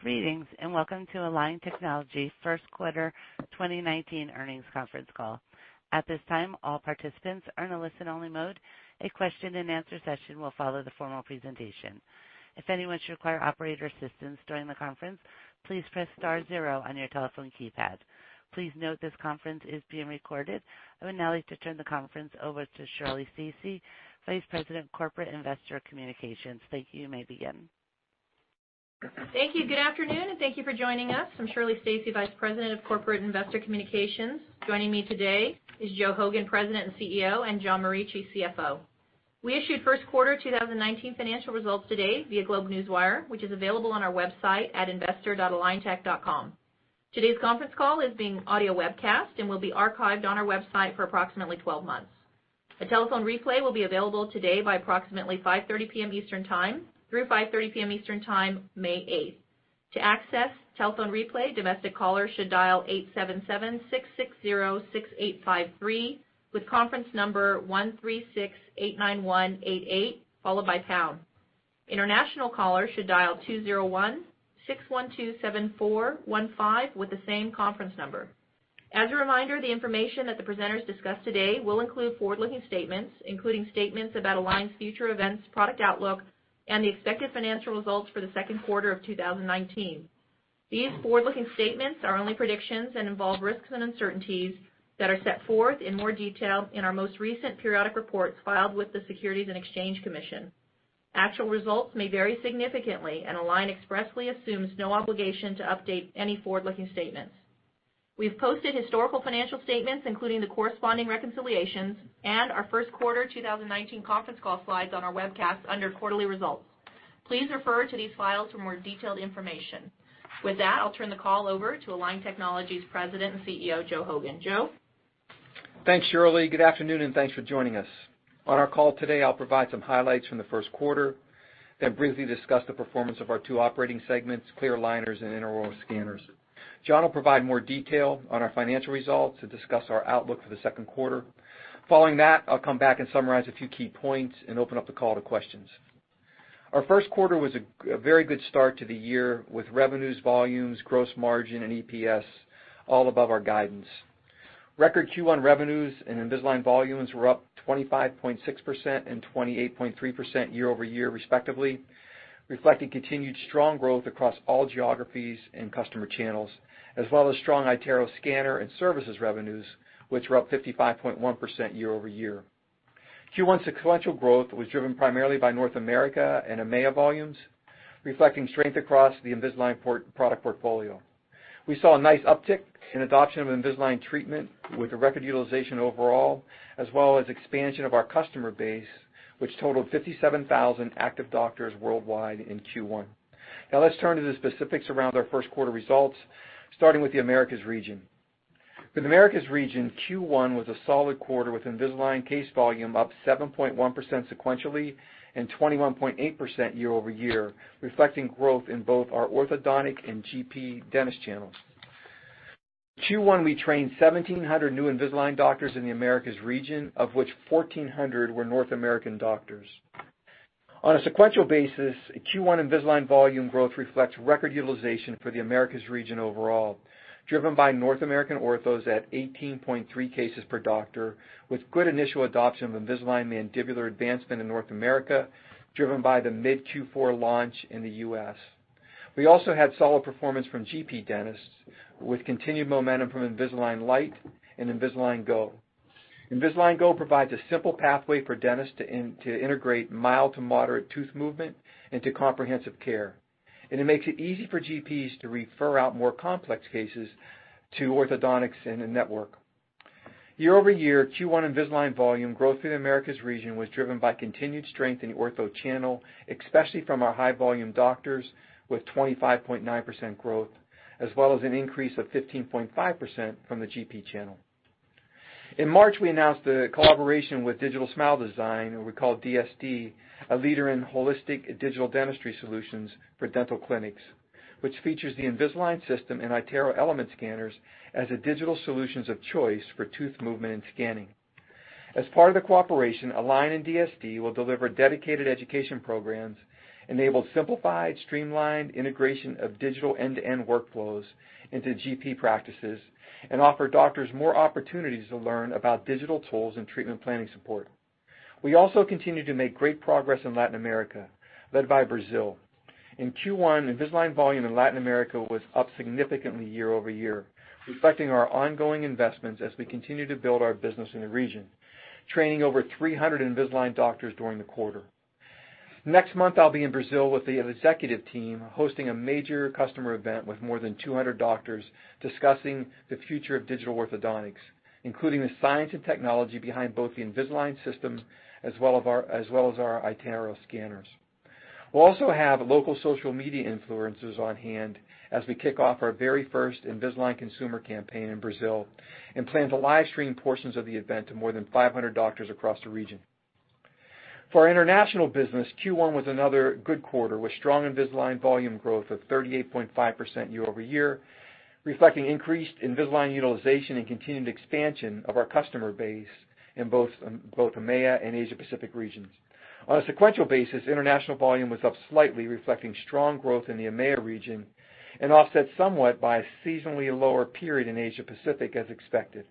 Greetings, and welcome to Align Technology First Quarter 2019 Earnings Conference Call. At this time, all participants are in a listen-only mode. A question and answer session will follow the formal presentation. If anyone should require operator assistance during the conference, please press star zero on your telephone keypad. Please note this conference is being recorded. I would now like to turn the conference over to Shirley Stacy, Vice President of Corporate and Investor Communications. Thank you. You may begin. Thank you. Good afternoon, and thank you for joining us. I'm Shirley Stacy, Vice President of Corporate and Investor Communications. Joining me today is Joe Hogan, President and CEO, and John Morici, CFO. We issued first quarter 2019 financial results today via GlobeNewswire, which is available on our website at investor.aligntech.com. Today's conference call is being audio webcast and will be archived on our website for approximately 12 months. A telephone replay will be available today by approximately 5:30 P.M. Eastern Time through 5:30 P.M. Eastern Time, May 8th. To access telephone replay, domestic callers should dial 877-660-6853 with conference number 13689188, followed by pound. International callers should dial 201-612-7415 with the same conference number. As a reminder, the information that the presenters discuss today will include forward-looking statements, including statements about Align's future events, product outlook, and the expected financial results for the second quarter of 2019. These forward-looking statements are only predictions and involve risks and uncertainties that are set forth in more detail in our most recent periodic reports filed with the Securities and Exchange Commission. Actual results may vary significantly, and Align expressly assumes no obligation to update any forward-looking statements. We've posted historical financial statements, including the corresponding reconciliations and our first quarter 2019 conference call slides on our webcast under quarterly results. Please refer to these files for more detailed information. With that, I'll turn the call over to Align Technology's President and CEO, Joe Hogan. Joe? Thanks, Shirley. Good afternoon, and thanks for joining us. On our call today, I'll provide some highlights from the first quarter, then briefly discuss the performance of our two operating segments, clear aligners and intraoral scanners. John will provide more detail on our financial results to discuss our outlook for the second quarter. Following that, I'll come back and summarize a few key points and open up the call to questions. Our first quarter was a very good start to the year with revenues, volumes, gross margin, and EPS all above our guidance. Record Q1 revenues and Invisalign volumes were up 25.6% and 28.3% year-over-year respectively, reflecting continued strong growth across all geographies and customer channels, as well as strong iTero scanner and services revenues, which were up 55.1% year-over-year. Q1 sequential growth was driven primarily by North America and EMEA volumes, reflecting strength across the Invisalign product portfolio. We saw a nice uptick in adoption of Invisalign treatment with a record utilization overall, as well as expansion of our customer base, which totaled 57,000 active doctors worldwide in Q1. Let's turn to the specifics around our first quarter results, starting with the Americas region. For the Americas region, Q1 was a solid quarter with Invisalign case volume up 7.1% sequentially and 21.8% year-over-year, reflecting growth in both our orthodontic and GP dentist channels. Q1, we trained 1,700 new Invisalign doctors in the Americas region, of which 1,400 were North American doctors. A sequential basis, Q1 Invisalign volume growth reflects record utilization for the Americas region overall, driven by North American orthos at 18.3 cases per doctor, with good initial adoption of Invisalign Mandibular Advancement in North America, driven by the mid-Q4 launch in the U.S. We also had solid performance from GP dentists with continued momentum from Invisalign Lite and Invisalign Go. Invisalign Go provides a simple pathway for dentists to integrate mild to moderate tooth movement into comprehensive care, and it makes it easy for GPs to refer out more complex cases to orthodontics in the network. Year-over-year, Q1 Invisalign volume growth in the Americas region was driven by continued strength in the ortho channel, especially from our high-volume doctors, with 25.9% growth, as well as an increase of 15.5% from the GP channel. In March, we announced a collaboration with Digital Smile Design, what we call DSD, a leader in holistic digital dentistry solutions for dental clinics, which features the Invisalign system and iTero Element scanners as the digital solutions of choice for tooth movement and scanning. As part of the cooperation, Align and DSD will deliver dedicated education programs, enable simplified, streamlined integration of digital end-to-end workflows into GP practices, and offer doctors more opportunities to learn about digital tools and treatment planning support. We also continue to make great progress in Latin America, led by Brazil. In Q1, Invisalign volume in Latin America was up significantly year-over-year, reflecting our ongoing investments as we continue to build our business in the region, training over 300 Invisalign doctors during the quarter. Next month, I'll be in Brazil with the executive team, hosting a major customer event with more than 200 doctors discussing the future of digital orthodontics, including the science and technology behind both the Invisalign system as well as our iTero scanners. We'll also have local social media influencers on-hand as we kick off our very first Invisalign consumer campaign in Brazil and plan to live stream portions of the event to more than 500 doctors across the region. For our international business, Q1 was another good quarter with strong Invisalign volume growth of 38.5% year-over-year, reflecting increased Invisalign utilization and continued expansion of our customer base in both EMEA and Asia Pacific regions. A sequential basis, international volume was up slightly, reflecting strong growth in the EMEA region and offset somewhat by a seasonally lower period in Asia Pacific, as expected.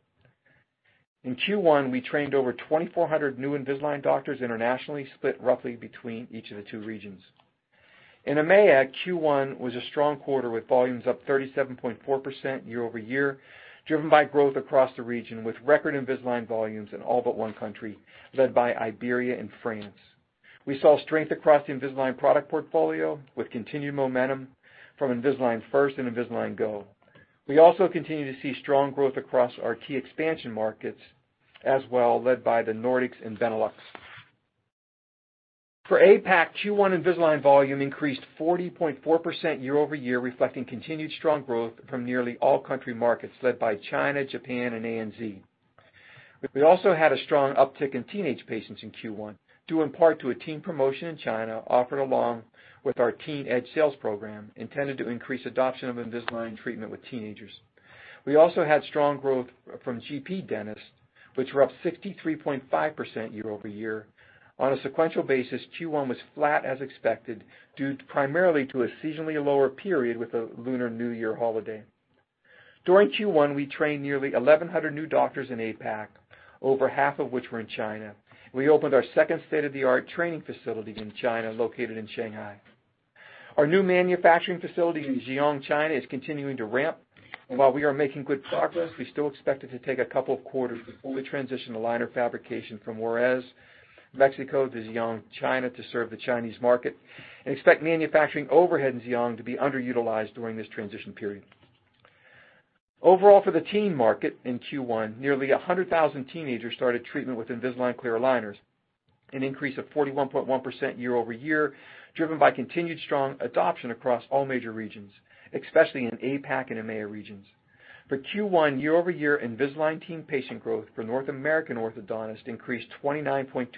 In Q1, we trained over 2,400 new Invisalign doctors internationally, split roughly between each of the two regions. In EMEA, Q1 was a strong quarter with volumes up 37.4% year-over-year, driven by growth across the region with record Invisalign volumes in all but one country, led by Iberia and France. We saw strength across the Invisalign product portfolio with continued momentum from Invisalign First and Invisalign Go. We also continue to see strong growth across our key expansion markets as well, led by the Nordics and Benelux. For APAC, Q1 Invisalign volume increased 40.4% year-over-year, reflecting continued strong growth from nearly all country markets, led by China, Japan, and ANZ. We also had a strong uptick in teenage patients in Q1, due in part to a teen promotion in China offered along with our Teen Edge Sales program, intended to increase adoption of Invisalign treatment with teenagers. We also had strong growth from GP dentists, which were up 63.5% year-over-year. On a sequential basis, Q1 was flat as expected, due primarily to a seasonally lower period with the Lunar New Year holiday. During Q1, we trained nearly 1,100 new doctors in APAC, over half of which were in China. We opened our second state-of-the-art training facility in China, located in Shanghai. Our new manufacturing facility in Xiong, China is continuing to ramp, and while we are making good progress, we still expect it to take a couple of quarters before we transition the liner fabrication from Juarez, Mexico to Xiong, China to serve the Chinese market, and expect manufacturing overhead in Xiong to be underutilized during this transition period. Overall, for the teen market in Q1, nearly 100,000 teenagers started treatment with Invisalign clear aligners, an increase of 41.1% year-over-year, driven by continued strong adoption across all major regions, especially in APAC and EMEA regions. For Q1, year-over-year Invisalign Teen patient growth for North American orthodontists increased 29.2%,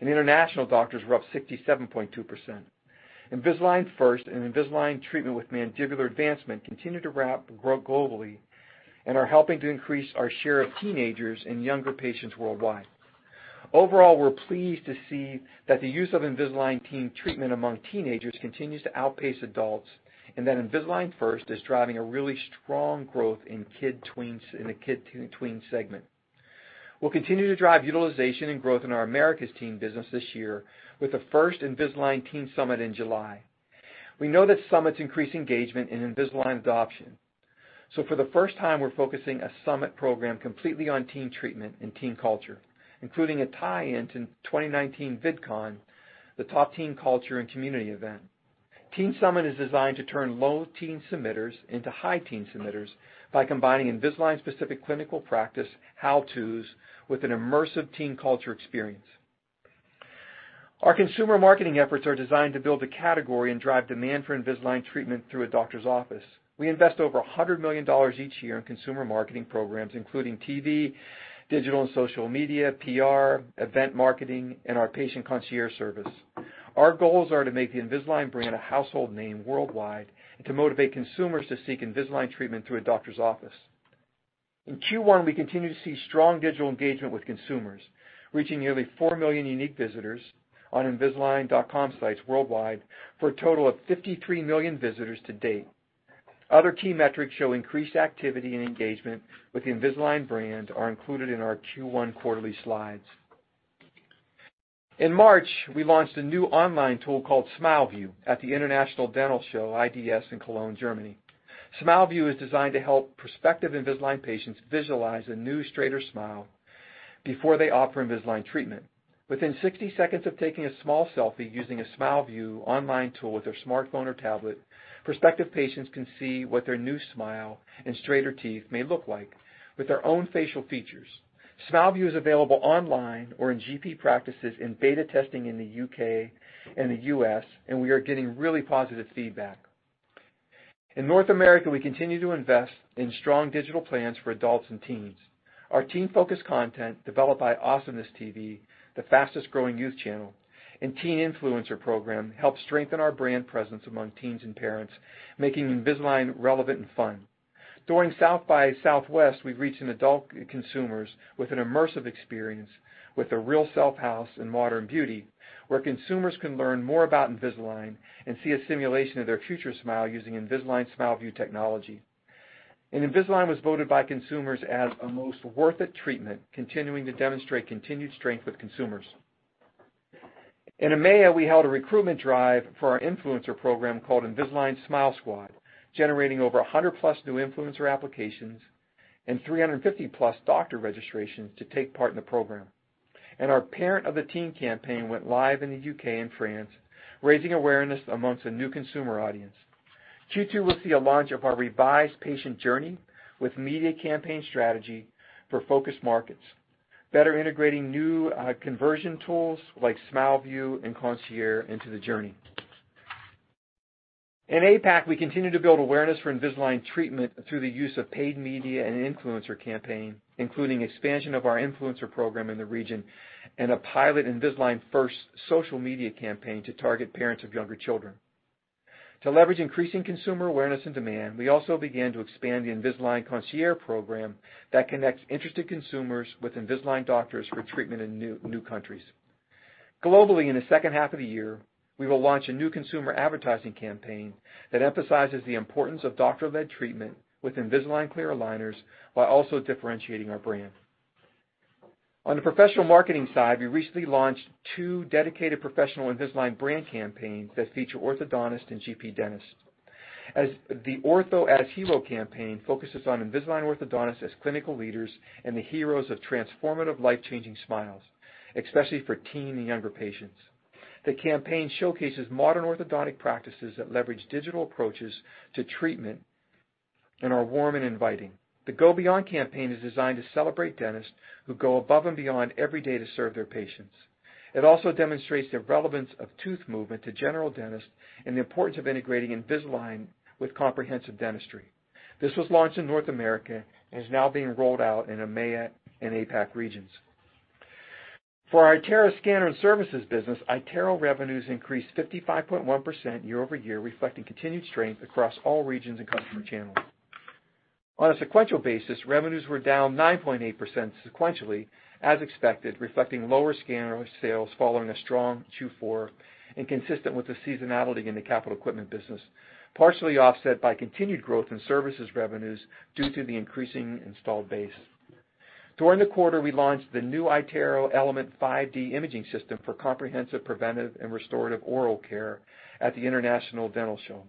and international doctors were up 67.2%. Invisalign First and Invisalign treatment with Mandibular Advancement continue to ramp and grow globally and are helping to increase our share of teenagers and younger patients worldwide. Overall, we're pleased to see that the use of Invisalign Teen treatment among teenagers continues to outpace adults, and that Invisalign First is driving a really strong growth in the kid to tweens segment. We'll continue to drive utilization and growth in our Americas teen business this year with the first Invisalign Teen Summit in July. We know that summits increase engagement and Invisalign adoption. For the first time, we're focusing a summit program completely on teen treatment and teen culture, including a tie-in to 2019 VidCon, the top teen culture and community event. Teen Summit is designed to turn low teen submitters into high teen submitters by combining Invisalign specific clinical practice how-tos with an immersive teen culture experience. Our consumer marketing efforts are designed to build a category and drive demand for Invisalign treatment through a doctor's office. We invest over $100 million each year in consumer marketing programs, including TV, digital and social media, PR, event marketing, and our patient concierge service. Our goals are to make the Invisalign brand a household name worldwide and to motivate consumers to seek Invisalign treatment through a doctor's office. In Q1, we continue to see strong digital engagement with consumers, reaching nearly 4 million unique visitors on invisalign.com sites worldwide, for a total of 53 million visitors to date. Other key metrics show increased activity and engagement with the Invisalign brand are included in our Q1 quarterly slides. In March, we launched a new online tool called SmileView at the International Dental Show, IDS, in Cologne, Germany. SmileView is designed to help prospective Invisalign patients visualize a new, straighter smile before they opt for Invisalign treatment. Within 60 seconds of taking a small selfie using a SmileView online tool with their smartphone or tablet, prospective patients can see what their new smile and straighter teeth may look like with their own facial features. SmileView is available online or in GP practices in beta testing in the U.K. and the U.S. We are getting really positive feedback. In North America, we continue to invest in strong digital plans for adults and teens. Our teen-focused content, developed by AwesomenessTV, the fastest-growing youth channel, and Teen Influencer Program, help strengthen our brand presence among teens and parents, making Invisalign relevant and fun. During South by Southwest, we've reached adult consumers with an immersive experience with the RealSelf House and Modern Beauty, where consumers can learn more about Invisalign and see a simulation of their future smile using Invisalign SmileView technology. Invisalign was voted by consumers as a most worth it treatment, continuing to demonstrate continued strength with consumers. In EMEA, we held a recruitment drive for our influencer program called Invisalign Smile Squad, generating over 100+ new influencer applications and 350+ doctor registrations to take part in the program. Our Parent of a Teen campaign went live in the U.K. and France, raising awareness amongst a new consumer audience. Q2 will see a launch of our revised patient journey with media campaign strategy for focus markets, better integrating new conversion tools like SmileView and Concierge into the journey. In APAC, we continue to build awareness for Invisalign treatment through the use of paid media and influencer campaign, including expansion of our influencer program in the region and a pilot Invisalign First social media campaign to target parents of younger children. To leverage increasing consumer awareness and demand, we also began to expand the Invisalign Concierge program that connects interested consumers with Invisalign doctors for treatment in new countries. Globally, in the second half of the year, we will launch a new consumer advertising campaign that emphasizes the importance of doctor-led treatment with Invisalign clear aligners, while also differentiating our brand. On the professional marketing side, we recently launched two dedicated professional Invisalign brand campaigns that feature orthodontists and GP dentists. The Ortho as Hero campaign focuses on Invisalign orthodontists as clinical leaders and the heroes of transformative life-changing smiles, especially for teen and younger patients. The campaign showcases modern orthodontic practices that leverage digital approaches to treatment and are warm and inviting. The Go Beyond campaign is designed to celebrate dentists who go above and beyond every day to serve their patients. It also demonstrates the relevance of tooth movement to general dentists and the importance of integrating Invisalign with comprehensive dentistry. This was launched in North America and is now being rolled out in EMEA and APAC regions. For our iTero scanner and services business, iTero revenues increased 55.1% year-over-year, reflecting continued strength across all regions and customer channels. On a sequential basis, revenues were down 9.8% sequentially as expected, reflecting lower scanner sales following a strong Q4 and consistent with the seasonality in the capital equipment business, partially offset by continued growth in services revenues due to the increasing installed base. During the quarter, we launched the new iTero Element 5D imaging system for comprehensive preventive and restorative oral care at the International Dental Show.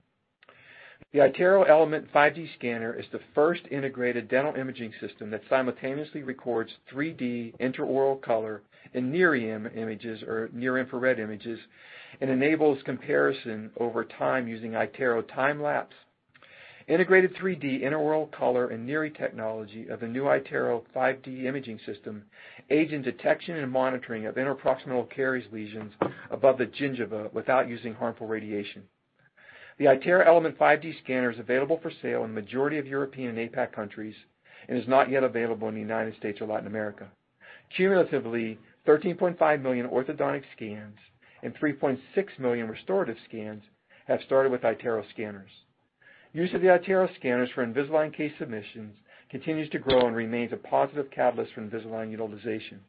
The iTero Element 5D scanner is the first integrated dental imaging system that simultaneously records 3D intraoral color and NIRI images or near-infrared images and enables comparison over time using iTero TimeLapse. Integrated 3D intraoral color and NIRI technology of the new iTero 5D imaging system aids in detection and monitoring of interproximal caries lesions above the gingiva without using harmful radiation. The iTero Element 5D scanner is available for sale in the majority of European and APAC countries and is not yet available in the U.S. or Latin America. Cumulatively, 13.5 million orthodontic scans and 3.6 million restorative scans have started with iTero scanners. Use of the iTero scanners for Invisalign case submissions continues to grow and remains a positive catalyst for Invisalign utilization.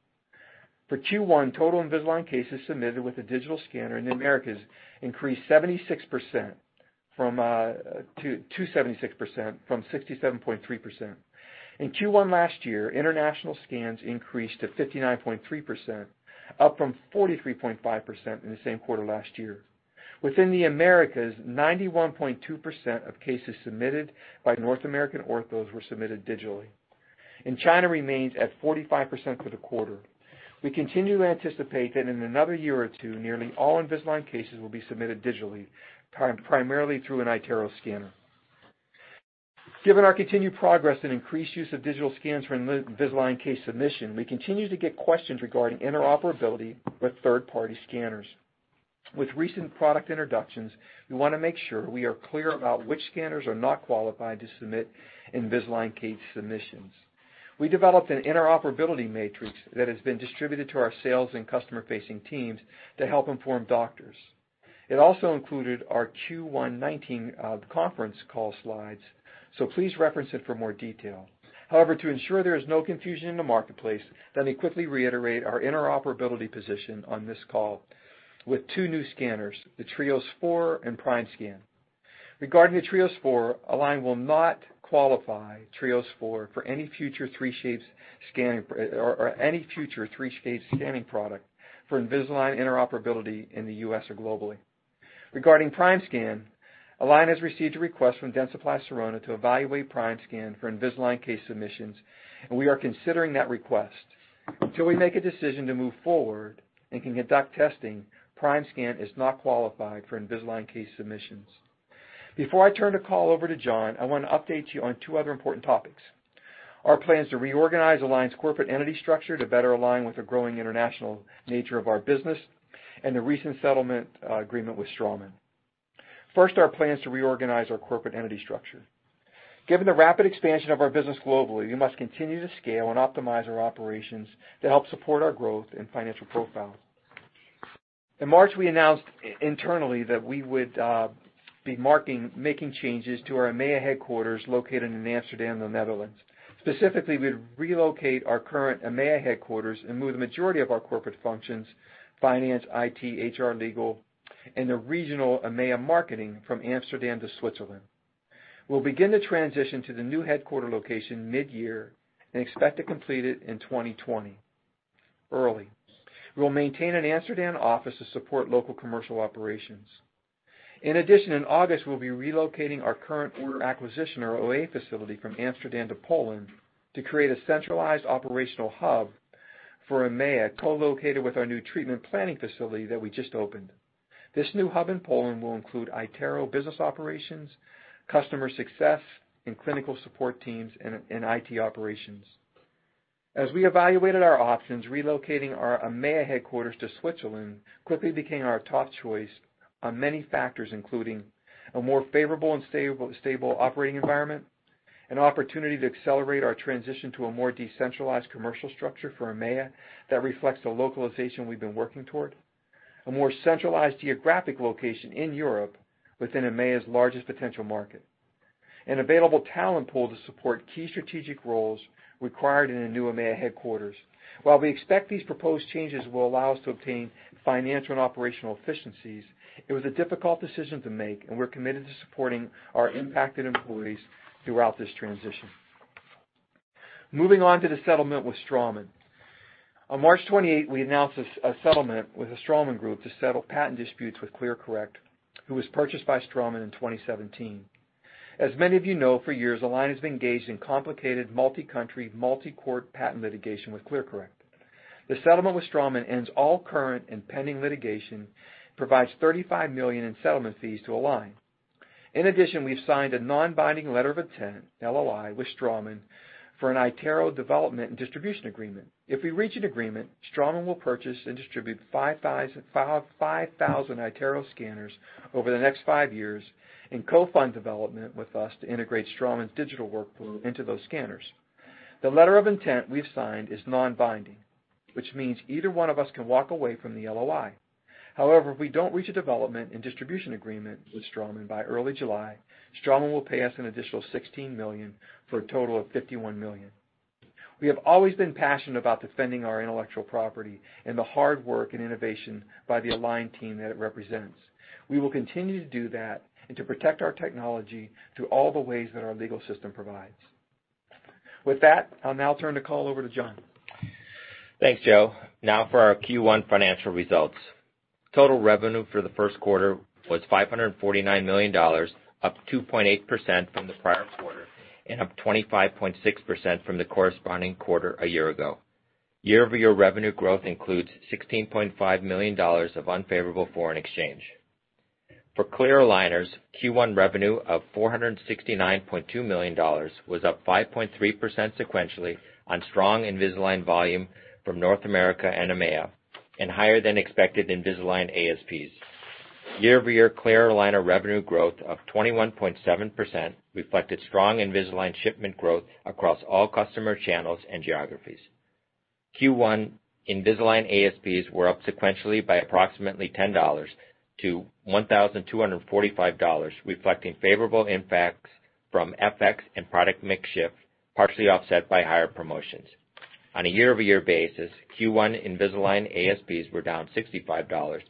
For Q1, total Invisalign cases submitted with a digital scanner in the Americas increased to 76% from 67.3%. In Q1 last year, international scans increased to 59.3%, up from 43.5% in the same quarter last year. Within the Americas, 91.2% of cases submitted by North American orthos were submitted digitally, and China remains at 45% for the quarter. We continue to anticipate that in another year or two, nearly all Invisalign cases will be submitted digitally, primarily through an iTero scanner. Given our continued progress and increased use of digital scans for Invisalign case submission, we continue to get questions regarding interoperability with third-party scanners. With recent product introductions, we want to make sure we are clear about which scanners are not qualified to submit Invisalign case submissions. We developed an interoperability matrix that has been distributed to our sales and customer-facing teams to help inform doctors. It also included our Q1 2019 conference call slides, so please reference it for more detail. To ensure there is no confusion in the marketplace, let me quickly reiterate our interoperability position on this call with two new scanners, the TRIOS 4 and Primescan. Regarding the TRIOS 4, Align will not qualify TRIOS 4 for any future 3Shape scanning product for Invisalign interoperability in the U.S. or globally. Regarding Primescan, Align has received a request from Dentsply Sirona to evaluate Primescan for Invisalign case submissions, and we are considering that request. Until we make a decision to move forward and can conduct testing, Primescan is not qualified for Invisalign case submissions. Before I turn the call over to John, I want to update you on two other important topics. Our plans to reorganize Align's corporate entity structure to better align with the growing international nature of our business and the recent settlement agreement with Straumann. First, our plans to reorganize our corporate entity structure. Given the rapid expansion of our business globally, we must continue to scale and optimize our operations to help support our growth and financial profile. In March, we announced internally that we would be making changes to our EMEA headquarters located in Amsterdam, the Netherlands. Specifically, we'd relocate our current EMEA headquarters and move the majority of our corporate functions, finance, IT, HR, legal, and the regional EMEA marketing from Amsterdam to Switzerland. We will begin to transition to the new headquarter location mid-year and expect to complete it in 2020, early. We will maintain an Amsterdam office to support local commercial operations. In addition, in August, we will be relocating our current order acquisition or OA facility from Amsterdam to Poland to create a centralized operational hub for EMEA, co-located with our new treatment planning facility that we just opened. This new hub in Poland will include iTero business operations, customer success, and clinical support teams, and IT operations. As we evaluated our options, relocating our EMEA headquarters to Switzerland quickly became our top choice on many factors, including a more favorable and stable operating environment. An opportunity to accelerate our transition to a more decentralized commercial structure for EMEA that reflects the localization we've been working toward. A more centralized geographic location in Europe within EMEA's largest potential market. An available talent pool to support key strategic roles required in a new EMEA headquarters. While we expect these proposed changes will allow us to obtain financial and operational efficiencies, it was a difficult decision to make, and we're committed to supporting our impacted employees throughout this transition. Moving on to the settlement with Straumann. On March 28, we announced a settlement with the Straumann Group to settle patent disputes with ClearCorrect, who was purchased by Straumann in 2017. As many of you know, for years Align has been engaged in complicated multi-country, multi-court patent litigation with ClearCorrect. The settlement with Straumann ends all current and pending litigation, provides $35 million in settlement fees to Align. In addition, we've signed a non-binding letter of intent, LOI, with Straumann for an iTero development and distribution agreement. If we reach an agreement, Straumann will purchase and distribute 5,000 iTero scanners over the next five years and co-fund development with us to integrate Straumann's digital workflow into those scanners. The letter of intent we've signed is non-binding, which means either one of us can walk away from the LOI. However, if we don't reach a development and distribution agreement with Straumann by early July, Straumann will pay us an additional $16 million for a total of $51 million. We have always been passionate about defending our intellectual property and the hard work and innovation by the Align team that it represents. We will continue to do that and to protect our technology through all the ways that our legal system provides. With that, I'll now turn the call over to John. Thanks, Joe. Now for our Q1 financial results. Total revenue for the first quarter was $549 million, up 2.8% from the prior quarter and up 25.6% from the corresponding quarter a year ago. Year-over-year revenue growth includes $16.5 million of unfavorable foreign exchange. For clear aligners, Q1 revenue of $469.2 million was up 5.3% sequentially on strong Invisalign volume from North America and EMEA, and higher than expected Invisalign ASPs. Year-over-year clear aligner revenue growth of 21.7% reflected strong Invisalign shipment growth across all customer channels and geographies. Q1 Invisalign ASPs were up sequentially by approximately $10 to $1,245, reflecting favorable impacts from FX and product mix shift, partially offset by higher promotions. On a year-over-year basis, Q1 Invisalign ASPs were down $65,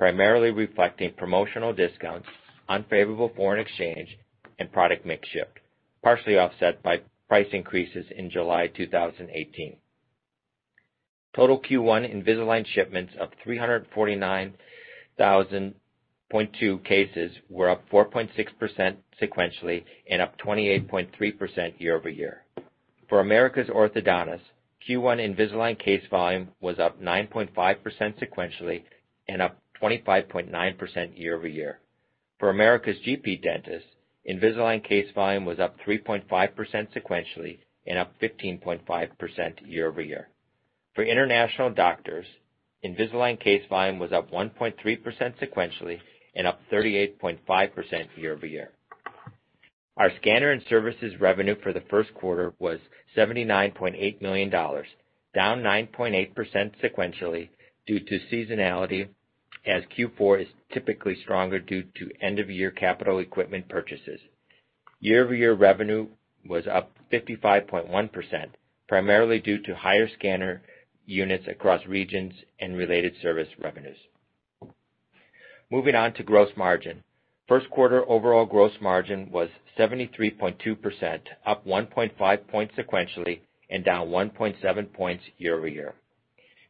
primarily reflecting promotional discounts, unfavorable foreign exchange, and product mix shift, partially offset by price increases in July 2018. Total Q1 Invisalign shipments of 349,000.2 cases were up 4.6% sequentially and up 28.3% year-over-year. For America's orthodontists, Q1 Invisalign case volume was up 9.5% sequentially and up 25.9% year-over-year. For America's GP dentists, Invisalign case volume was up 3.5% sequentially and up 15.5% year-over-year. For international doctors, Invisalign case volume was up 1.3% sequentially and up 38.5% year-over-year. Our scanner and services revenue for the first quarter was $79.8 million, down 9.8% sequentially due to seasonality, as Q4 is typically stronger due to end-of-year capital equipment purchases. Year-over-year revenue was up 55.1%, primarily due to higher scanner units across regions and related service revenues. Moving on to gross margin. First quarter overall gross margin was 73.2%, up 1.5 points sequentially and down 1.7 points year-over-year.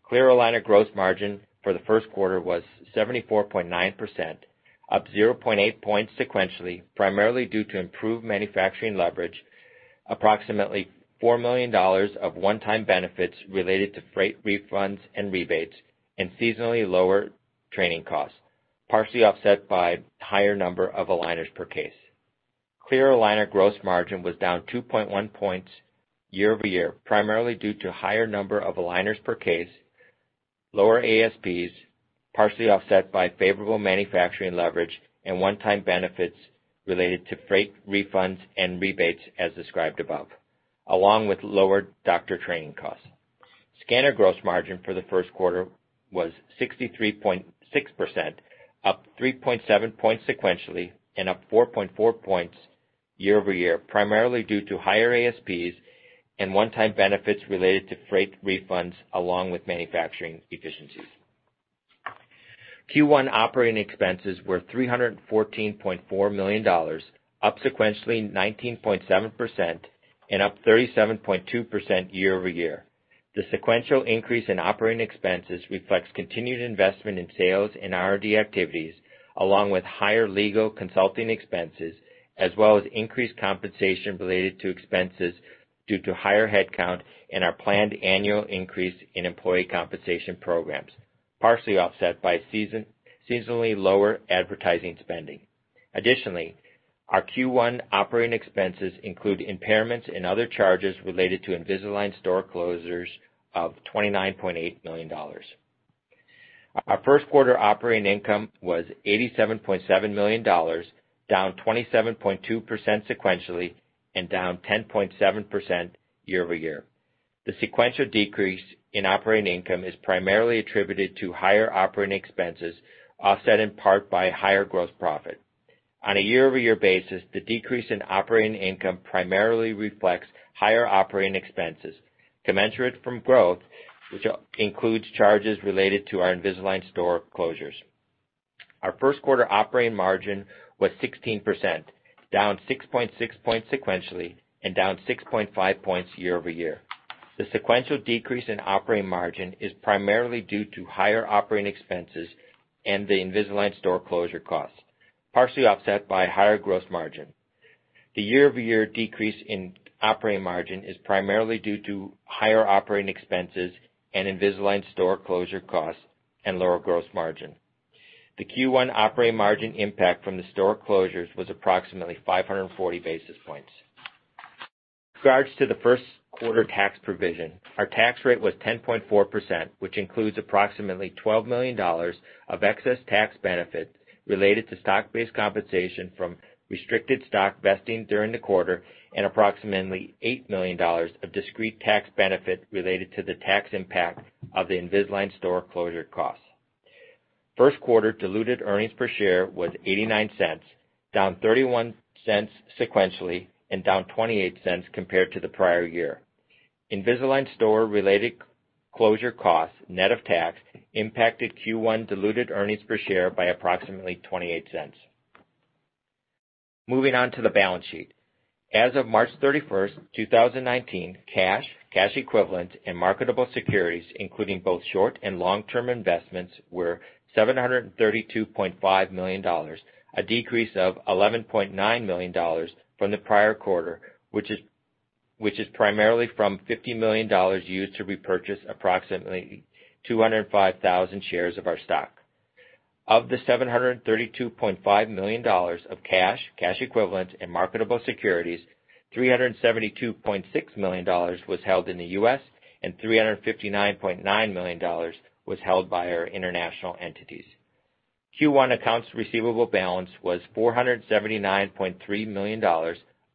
Clear aligner gross margin for the first quarter was 74.9%, up 0.8 points sequentially, primarily due to improved manufacturing leverage, approximately $4 million of one-time benefits related to freight refunds and rebates, and seasonally lower training costs, partially offset by higher number of aligners per case. Clear aligner gross margin was down 2.1 points year-over-year, primarily due to higher number of aligners per case, lower ASPs, partially offset by favorable manufacturing leverage and one-time benefits related to freight refunds and rebates as described above, along with lower doctor training costs. Scanner gross margin for the first quarter was 63.6%, up 3.7 points sequentially and up 4.4 points year-over-year, primarily due to higher ASPs and one-time benefits related to freight refunds along with manufacturing efficiencies. Q1 operating expenses were $314.4 million, up sequentially 19.7% and up 37.2% year-over-year. The sequential increase in operating expenses reflects continued investment in sales and R&D activities, along with higher legal consulting expenses, as well as increased compensation related to expenses due to higher headcount and our planned annual increase in employee compensation programs, partially offset by seasonally lower advertising spending. Additionally, our Q1 operating expenses include impairments and other charges related to Invisalign store closures of $29.8 million. Our first quarter operating income was $87.7 million, down 27.2% sequentially and down 10.7% year-over-year. The sequential decrease in operating income is primarily attributed to higher operating expenses, offset in part by higher gross profit. On a year-over-year basis, the decrease in operating income primarily reflects higher operating expenses commensurate from growth, which includes charges related to our Invisalign store closures. Our first quarter operating margin was 16%, down 6.6 points sequentially and down 6.5 points year-over-year. The sequential decrease in operating margin is primarily due to higher operating expenses and the Invisalign store closure costs, partially offset by higher gross margin. The year-over-year decrease in operating margin is primarily due to higher operating expenses and Invisalign store closure costs and lower gross margin. The Q1 operating margin impact from the store closures was approximately 540 basis points. Regarding the first quarter tax provision, our tax rate was 10.4%, which includes approximately $12 million of excess tax benefit related to stock-based compensation from restricted stock vesting during the quarter and approximately $8 million of discrete tax benefit related to the tax impact of the Invisalign store closure costs. First quarter diluted earnings per share was $0.89, down $0.31 sequentially and down $0.28 compared to the prior year. Invisalign store related closure costs, net of tax, impacted Q1 diluted earnings per share by approximately $0.28. Moving on to the balance sheet. As of March 31, 2019, cash equivalents, and marketable securities, including both short and long-term investments, were $732.5 million, a decrease of $11.9 million from the prior quarter, which is primarily from $50 million used to repurchase approximately 205,000 shares of our stock. Of the $732.5 million of cash equivalents, and marketable securities, $372.6 million was held in the U.S. and $359.9 million was held by our international entities. Q1 accounts receivable balance was $479.3 million,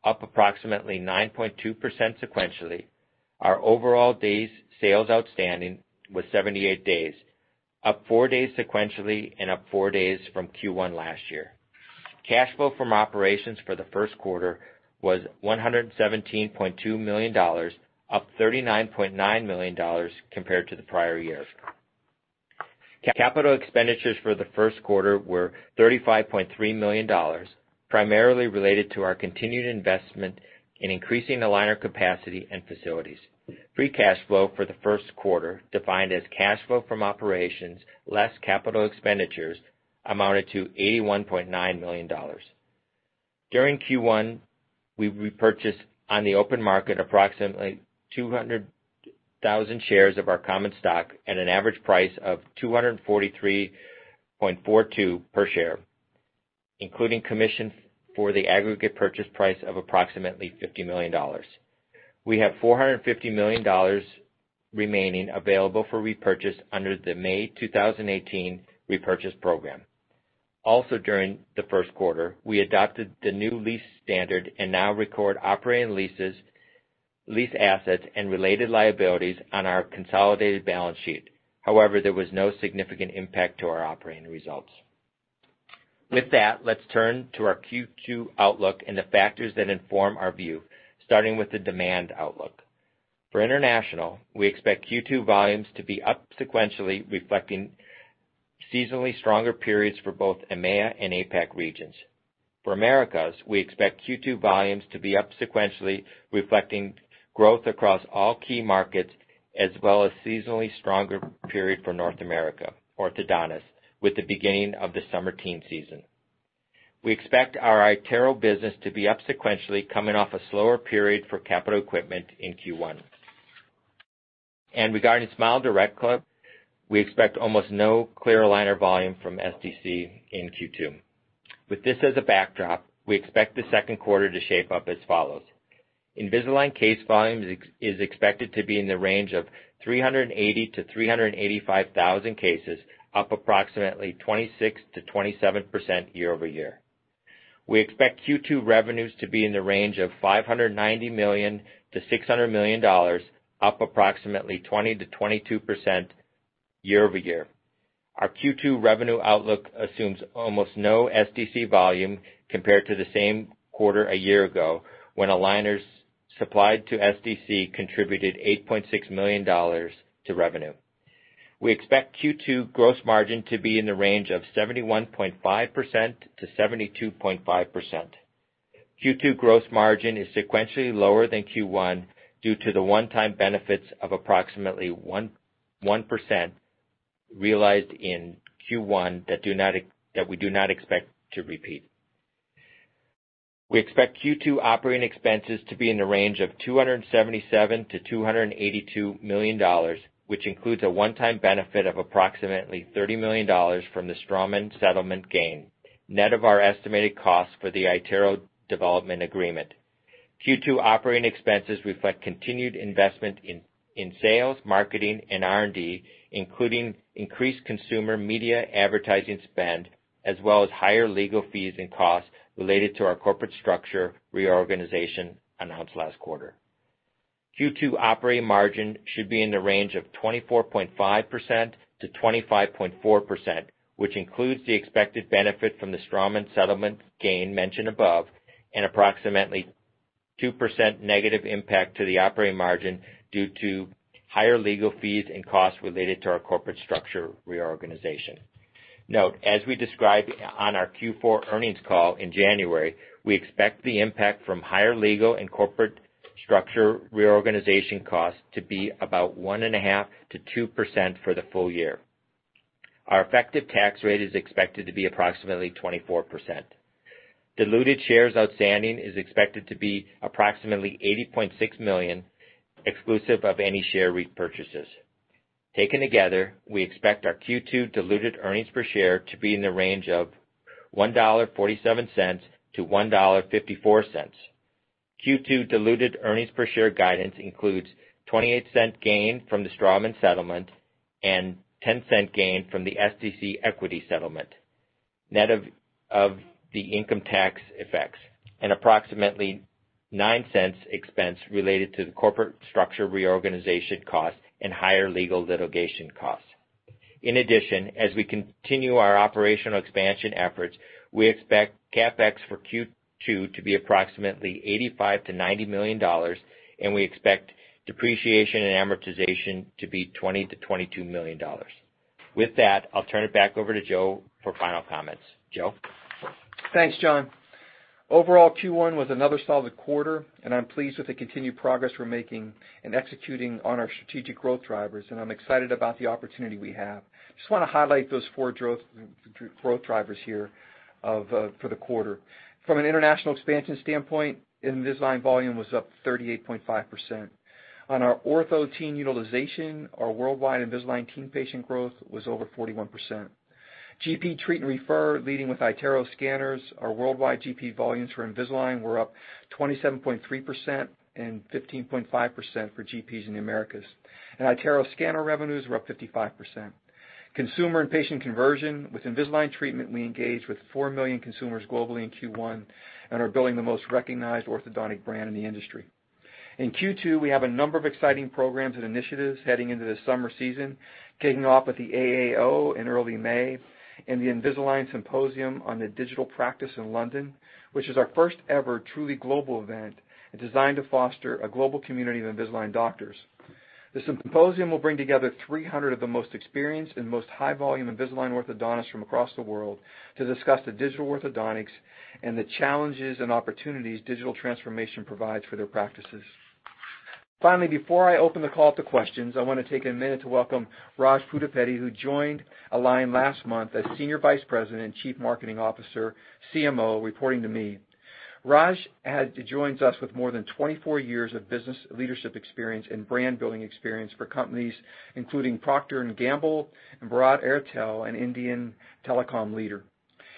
up approximately 9.2% sequentially. Our overall days sales outstanding was 78 days, up four days sequentially and up four days from Q1 last year. Cash flow from operations for the first quarter was $117.2 million, up $39.9 million compared to the prior year. Capital expenditures for the first quarter were $35.3 million, primarily related to our continued investment in increasing aligner capacity and facilities. Free cash flow for the first quarter, defined as cash flow from operations less capital expenditures, amounted to $81.9 million. During Q1, we repurchased on the open market approximately 200,000 shares of our common stock at an average price of $243.42 per share, including commission for the aggregate purchase price of approximately $50 million. We have $450 million remaining available for repurchase under the May 2018 Repurchase Program. Also, during the first quarter, we adopted the new lease standard and now record operating leases, lease assets, and related liabilities on our consolidated balance sheet. However, there was no significant impact to our operating results. With that, let's turn to our Q2 outlook and the factors that inform our view, starting with the demand outlook. For international, we expect Q2 volumes to be up sequentially, reflecting seasonally stronger periods for both EMEA and APAC regions. For Americas, we expect Q2 volumes to be up sequentially, reflecting growth across all key markets, as well as seasonally stronger period for North America, orthodontists, with the beginning of the summer teen season. We expect our iTero business to be up sequentially, coming off a slower period for capital equipment in Q1. Regarding SmileDirectClub, we expect almost no clear aligner volume from SDC in Q2. With this as a backdrop, we expect the second quarter to shape up as follows. Invisalign case volumes is expected to be in the range of 380,000-385,000 cases, up approximately 26%-27% year-over-year. We expect Q2 revenues to be in the range of $590 million-$600 million, up approximately 20%-22% year-over-year. Our Q2 revenue outlook assumes almost no SDC volume compared to the same quarter a year ago when aligners supplied to SDC contributed $8.6 million to revenue. We expect Q2 gross margin to be in the range of 71.5%-72.5%. Q2 gross margin is sequentially lower than Q1 due to the one-time benefits of approximately 1% realized in Q1 that we do not expect to repeat. We expect Q2 operating expenses to be in the range of $277 million-$282 million, which includes a one-time benefit of approximately $30 million from the Straumann settlement gain, net of our estimated cost for the iTero development agreement. Q2 operating expenses reflect continued investment in sales, marketing, and R&D, including increased consumer media advertising spend, as well as higher legal fees and costs related to our corporate structure reorganization announced last quarter. Q2 operating margin should be in the range of 24.5%-25.4%, which includes the expected benefit from the Straumann settlement gain mentioned above, and approximately 2% negative impact to the operating margin due to higher legal fees and costs related to our corporate structure reorganization. As we described on our Q4 earnings call in January, we expect the impact from higher legal and corporate structure reorganization costs to be about 1.5%-2% for the full year. Our effective tax rate is expected to be approximately 24%. Diluted shares outstanding is expected to be approximately 80.6 million, exclusive of any share repurchases. Taken together, we expect our Q2 diluted earnings per share to be in the range of $1.47-$1.54. Q2 diluted earnings per share guidance includes $0.28 gain from the Straumann settlement and $0.10 gain from the SDC Equity settlement, net of the income tax effects, and approximately $0.09 expense related to the corporate structure reorganization cost and higher legal litigation costs. In addition, as we continue our operational expansion efforts, we expect CapEx for Q2 to be approximately $85 million-$90 million, and we expect depreciation and amortization to be $20 million-$22 million. With that, I'll turn it back over to Joe for final comments. Joe? Thanks, John. Overall, Q1 was another solid quarter, I'm pleased with the continued progress we're making in executing on our strategic growth drivers. I'm excited about the opportunity we have. I just want to highlight those four growth drivers here for the quarter. From an international expansion standpoint, Invisalign volume was up 38.5%. On our Invisalign Teen utilization, our worldwide Invisalign Teen patient growth was over 41%. GP treat and refer, leading with iTero scanners. Our worldwide GP volumes for Invisalign were up 27.3% and 15.5% for GPs in the Americas. iTero scanner revenues were up 55%. Consumer and patient conversion. With Invisalign treatment, we engaged with 4 million consumers globally in Q1 and are building the most recognized orthodontic brand in the industry. In Q2, we have a number of exciting programs and initiatives heading into the summer season, kicking off with the AAO in early May and the Invisalign Symposium on the digital practice in London, which is our first ever truly global event and designed to foster a global community of Invisalign doctors. The symposium will bring together 300 of the most experienced and most high-volume Invisalign orthodontists from across the world to discuss the digital orthodontics and the challenges and opportunities digital transformation provides for their practices. Finally, before I open the call up to questions, I want to take a minute to welcome Raj Pudipeddi, who joined Align last month as Senior Vice President and Chief Marketing Officer, CMO, reporting to me. Raj joins us with more than 24 years of business leadership experience and brand building experience for companies including Procter & Gamble and Bharti Airtel, an Indian telecom leader.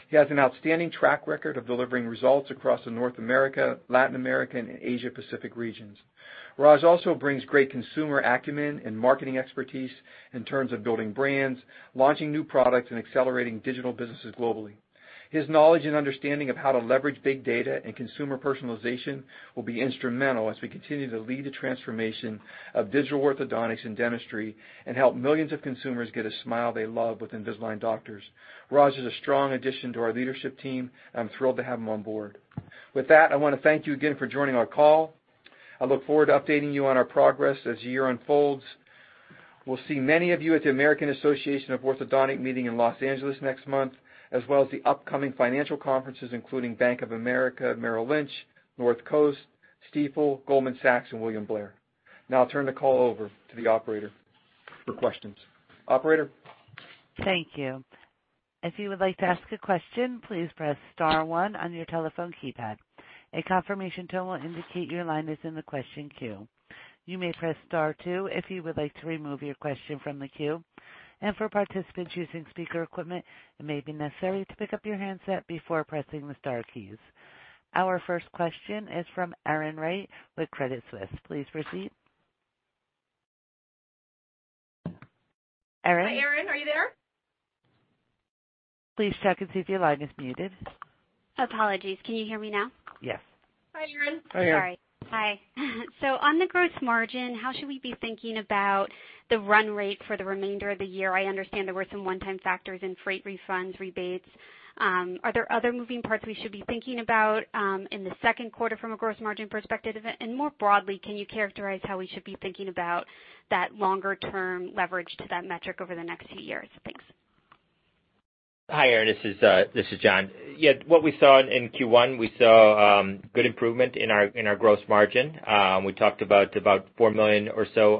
He has an outstanding track record of delivering results across the North America, Latin America, and Asia Pacific regions. Raj also brings great consumer acumen and marketing expertise in terms of building brands, launching new products, and accelerating digital businesses globally. His knowledge and understanding of how to leverage big data and consumer personalization will be instrumental as we continue to lead the transformation of digital orthodontics and dentistry and help millions of consumers get a smile they love with Invisalign doctors. Raj is a strong addition to our leadership team, and I'm thrilled to have him on board. I want to thank you again for joining our call. I look forward to updating you on our progress as the year unfolds. We'll see many of you at the American Association of Orthodontists meeting in Los Angeles next month, as well as the upcoming financial conferences, including Bank of America, Merrill Lynch, North Coast, Stifel, Goldman Sachs, and William Blair. I'll turn the call over to the operator for questions. Operator? Thank you. If you would like to ask a question, please press star one on your telephone keypad. A confirmation tone will indicate your line is in the question queue. You may press star two if you would like to remove your question from the queue. For participants using speaker equipment, it may be necessary to pick up your handset before pressing the star keys. Our first question is from Erin Wright with Credit Suisse. Please proceed. Erin? Hi, Erin, are you there? Please check and see if your line is muted. Apologies. Can you hear me now? Yes. Hi, Erin. Sorry. Hi. On the gross margin, how should we be thinking about the run rate for the remainder of the year? I understand there were some one-time factors in freight refunds, rebates. Are there other moving parts we should be thinking about in the second quarter from a gross margin perspective of it? More broadly, can you characterize how we should be thinking about that longer-term leverage to that metric over the next few years? Thanks. Hi, Erin. This is John. Yeah, what we saw in Q1, we saw good improvement in our gross margin. We talked about $4 million or so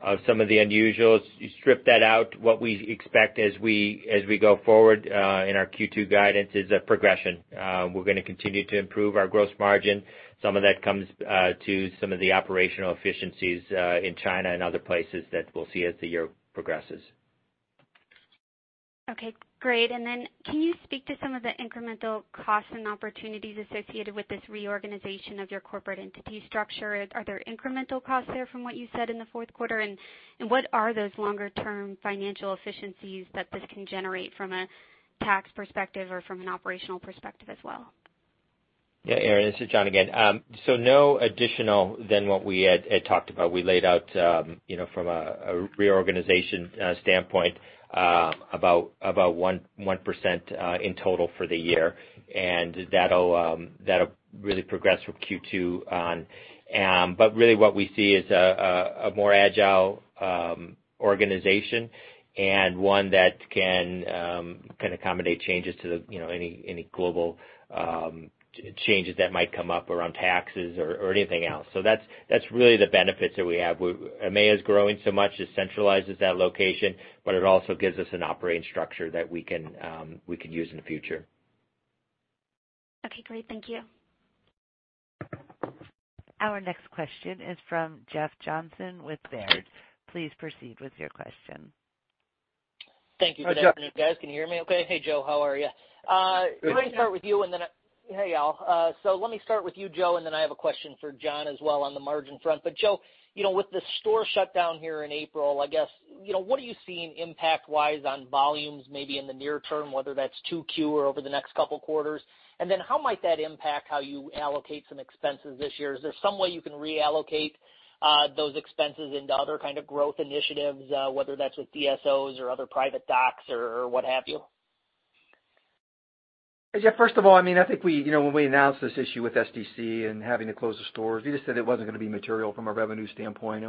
of some of the unusuals. You strip that out, what we expect as we go forward in our Q2 guidance is a progression. We're going to continue to improve our gross margin. Some of that comes to some of the operational efficiencies in China and other places that we'll see as the year progresses. Okay, great. Can you speak to some of the incremental costs and opportunities associated with this reorganization of your corporate entity structure? Are there incremental costs there from what you said in the fourth quarter? What are those longer-term financial efficiencies that this can generate from a tax perspective or from an operational perspective as well? Yeah, Erin, this is John again. No additional than what we had talked about. We laid out, from a reorganization standpoint, about 1% in total for the year, and that'll really progress from Q2 on. Really what we see is a more agile organization and one that can accommodate any global changes that might come up around taxes or anything else. That's really the benefits that we have. EMEA is growing so much, it centralizes that location, it also gives us an operating structure that we can use in the future. Okay, great. Thank you. Our next question is from Jeff Johnson with Baird. Please proceed with your question. Thank you. Hi, Jeff. Good afternoon, guys. Can you hear me okay? Hey, Joe, how are you? Good. Let me start with you and then Hey, y'all. Let me start with you, Joe, and then I have a question for John as well on the margin front. Joe, with the store shut down here in April, I guess, what are you seeing impact-wise on volumes maybe in the near term, whether that's 2Q or over the next couple of quarters? And then how might that impact how you allocate some expenses this year? Is there some way you can reallocate those expenses into other kind of growth initiatives, whether that's with DSOs or other private docs or what have you? Yeah, Jeff, first of all, I think when we announced this issue with SDC and having to close the stores, we just said it wasn't going to be material from a revenue standpoint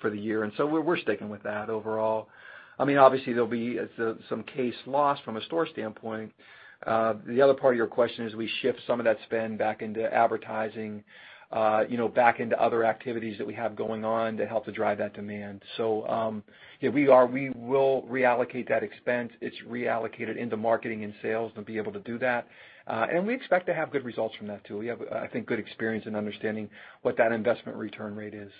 for the year. We're sticking with that overall. Obviously, there'll be some case loss from a store standpoint. The other part of your question is we shift some of that spend back into advertising, back into other activities that we have going on to help to drive that demand. Yeah, we will reallocate that expense. It's reallocated into marketing and sales, they'll be able to do that. We expect to have good results from that too. We have, I think, good experience in understanding what that investment return rate is.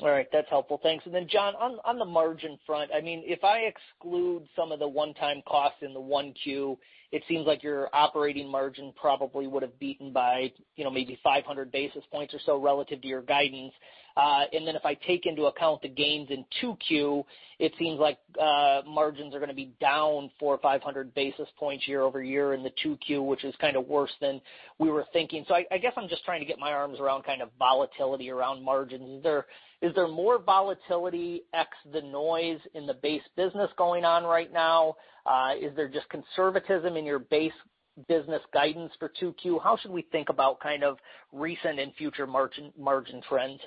All right, that's helpful. Thanks. John, on the margin front, if I exclude some of the one-time costs in the 1Q, it seems like your operating margin probably would've beaten by maybe 500 basis points or so relative to your guidance. And then if I take into account the gains in 2Q, it seems like margins are gonna be down 4 or 500 basis points year-over-year in the 2Q, which is kind of worse than we were thinking. I guess I'm just trying to get my arms around kind of volatility around margins. Is there more volatility ex the noise in the base business going on right now? Is there just conservatism in your base business guidance for 2Q? How should we think about kind of recent and future margin trends?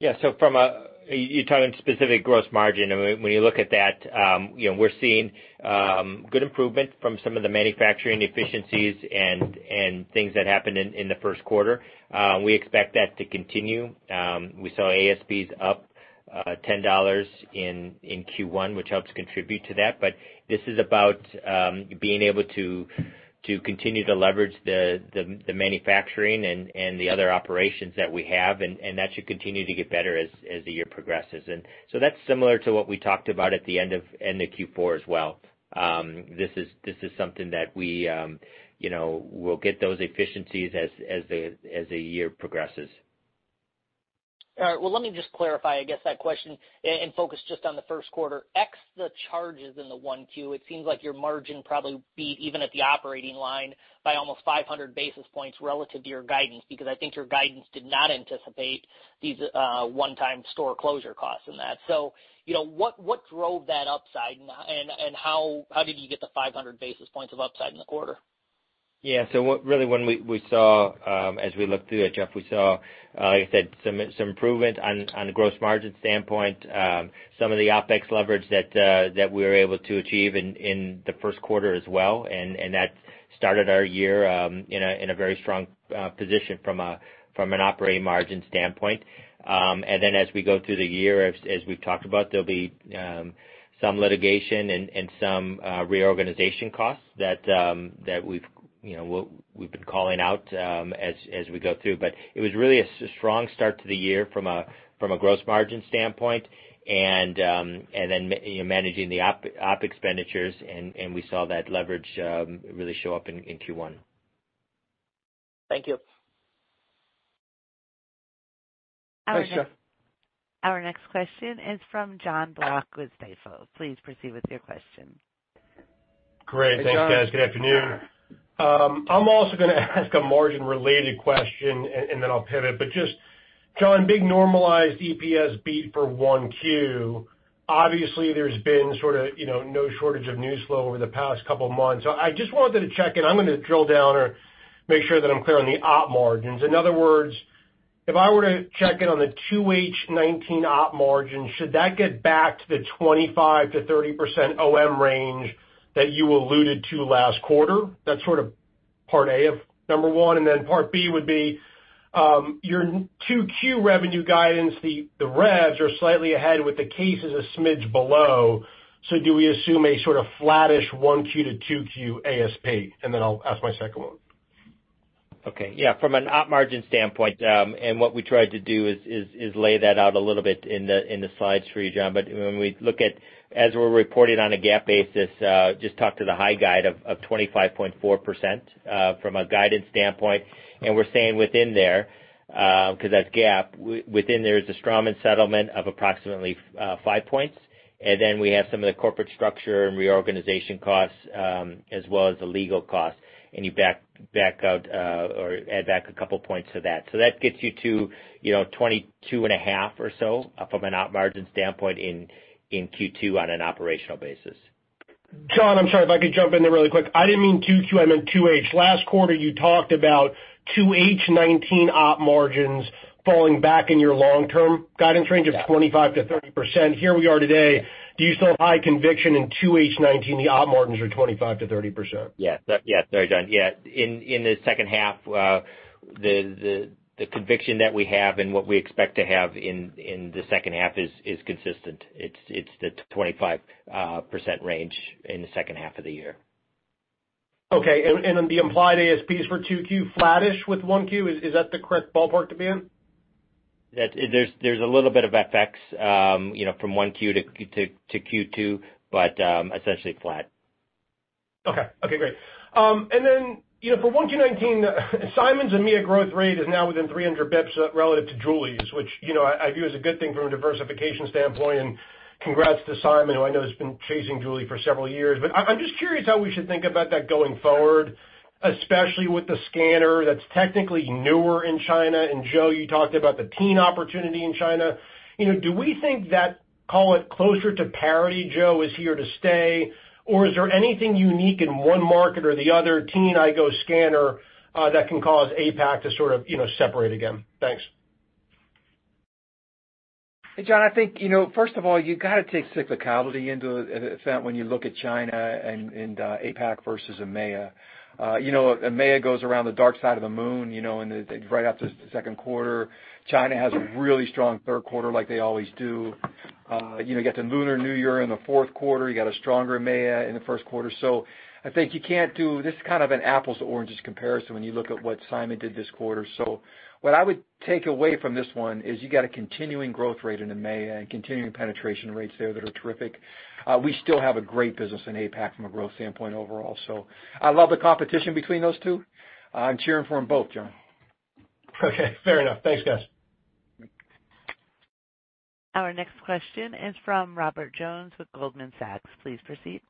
Yeah. You're talking specific gross margin. When you look at that, we're seeing good improvement from some of the manufacturing efficiencies and things that happened in the first quarter. We expect that to continue. We saw ASPs up $10 in Q1, which helps contribute to that. This is about being able to continue to leverage the manufacturing and the other operations that we have. That should continue to get better as the year progresses. That's similar to what we talked about at the end of Q4 as well. This is something that we'll get those efficiencies as the year progresses. All right. Well, let me just clarify, I guess that question and focus just on the first quarter, ex the charges in the 1Q, it seems like your margin probably beat even at the operating line by almost 500 basis points relative to your guidance, because I think your guidance did not anticipate these one-time store closure costs in that. What drove that upside, and how did you get the 500 basis points of upside in the quarter? Yeah. Really, as we looked through it, Jeff, we saw, like I said, some improvement on the gross margin standpoint. Some of the OpEx leverage that we were able to achieve in the first quarter as well. That started our year in a very strong position from an operating margin standpoint. As we go through the year, as we've talked about, there'll be some litigation and some reorganization costs that we've been calling out as we go through. It was really a strong start to the year from a gross margin standpoint and then managing the OpEx expenditures. We saw that leverage really show up in Q1. Thank you. Thanks, Jeff. Our next question is from Jonathan Block with Stifel. Please proceed with your question. Great. Hey, John. Thanks, guys. Good afternoon. I'm also gonna ask a margin-related question, and then I'll pivot. Just, John, big normalized EPS beat for 1Q. Obviously, there's been sort of no shortage of news flow over the past couple of months. I just wanted to check in. I'm gonna drill down or make sure that I'm clear on the op margins. In other words, if I were to check in on the 2H 2019 op margin, should that get back to the 25%-30% OM range that you alluded to last quarter? That's sort of part A of number one, and then part B would be, your 2Q revenue guidance, the revs are slightly ahead with the cases a smidge below. Do we assume a sort of flattish 1Q to 2Q ASP? I'll ask my second one. Okay. What we tried to do is lay that out a little bit in the slides for you, John. When we look at, as we're reporting on a GAAP basis, just talk to the high guide of 25.4% from a guidance standpoint. We're staying within there, because that's GAAP. Within there is a Straumann settlement of approximately 5 points. Then we have some of the corporate structure and reorganization costs, as well as the legal costs. You back out or add back 2 points to that. That gets you to 22.5 or so from an op margin standpoint in Q2 on an operational basis. John, I'm sorry if I could jump in there really quick. I didn't mean Q2, I meant 2H. Last quarter, you talked about 2H 2019 op margins falling back in your long-term guidance range of 25%-30%. Here we are today. Do you still have high conviction in 2H 2019, the op margins are 25%-30%? Yeah. Sorry, John. In the second half, the conviction that we have and what we expect to have in the second half is consistent. It's the 25% range in the second half of the year. Okay. Then the implied ASPs for Q2 flattish with 1Q, is that the correct ballpark to be in? There's a little bit of FX from 1Q to 2Q, but essentially flat. Okay, great. For 1Q 2019, Simon's EMEA growth rate is now within 300 basis points relative to Julie's, which I view as a good thing from a diversification standpoint. Congrats to Simon, who I know has been chasing Julie for several years. I'm just curious how we should think about that going forward, especially with the scanner that's technically newer in China. Joe, you talked about the teen opportunity in China. Do we think that, call it closer to parity, Joe, is here to stay? Or is there anything unique in one market or the other, teen, iTero scanner, that can cause APAC to sort of separate again? Thanks. Hey, John, I think, first of all, you got to take cyclicality into effect when you look at China and APAC versus EMEA. EMEA goes around the dark side of the moon. Right after the second quarter, China has a really strong third quarter like they always do. You get to Lunar New Year in the fourth quarter, you got a stronger EMEA in the first quarter. I think you can't do this is kind of an apples to oranges comparison when you look at what Simon did this quarter. What I would take away from this one is you got a continuing growth rate in EMEA and continuing penetration rates there that are terrific. We still have a great business in APAC from a growth standpoint overall. I love the competition between those two. I'm cheering for them both, John. Okay, fair enough. Thanks, guys. Our next question is from Robert Jones with Goldman Sachs. Please proceed.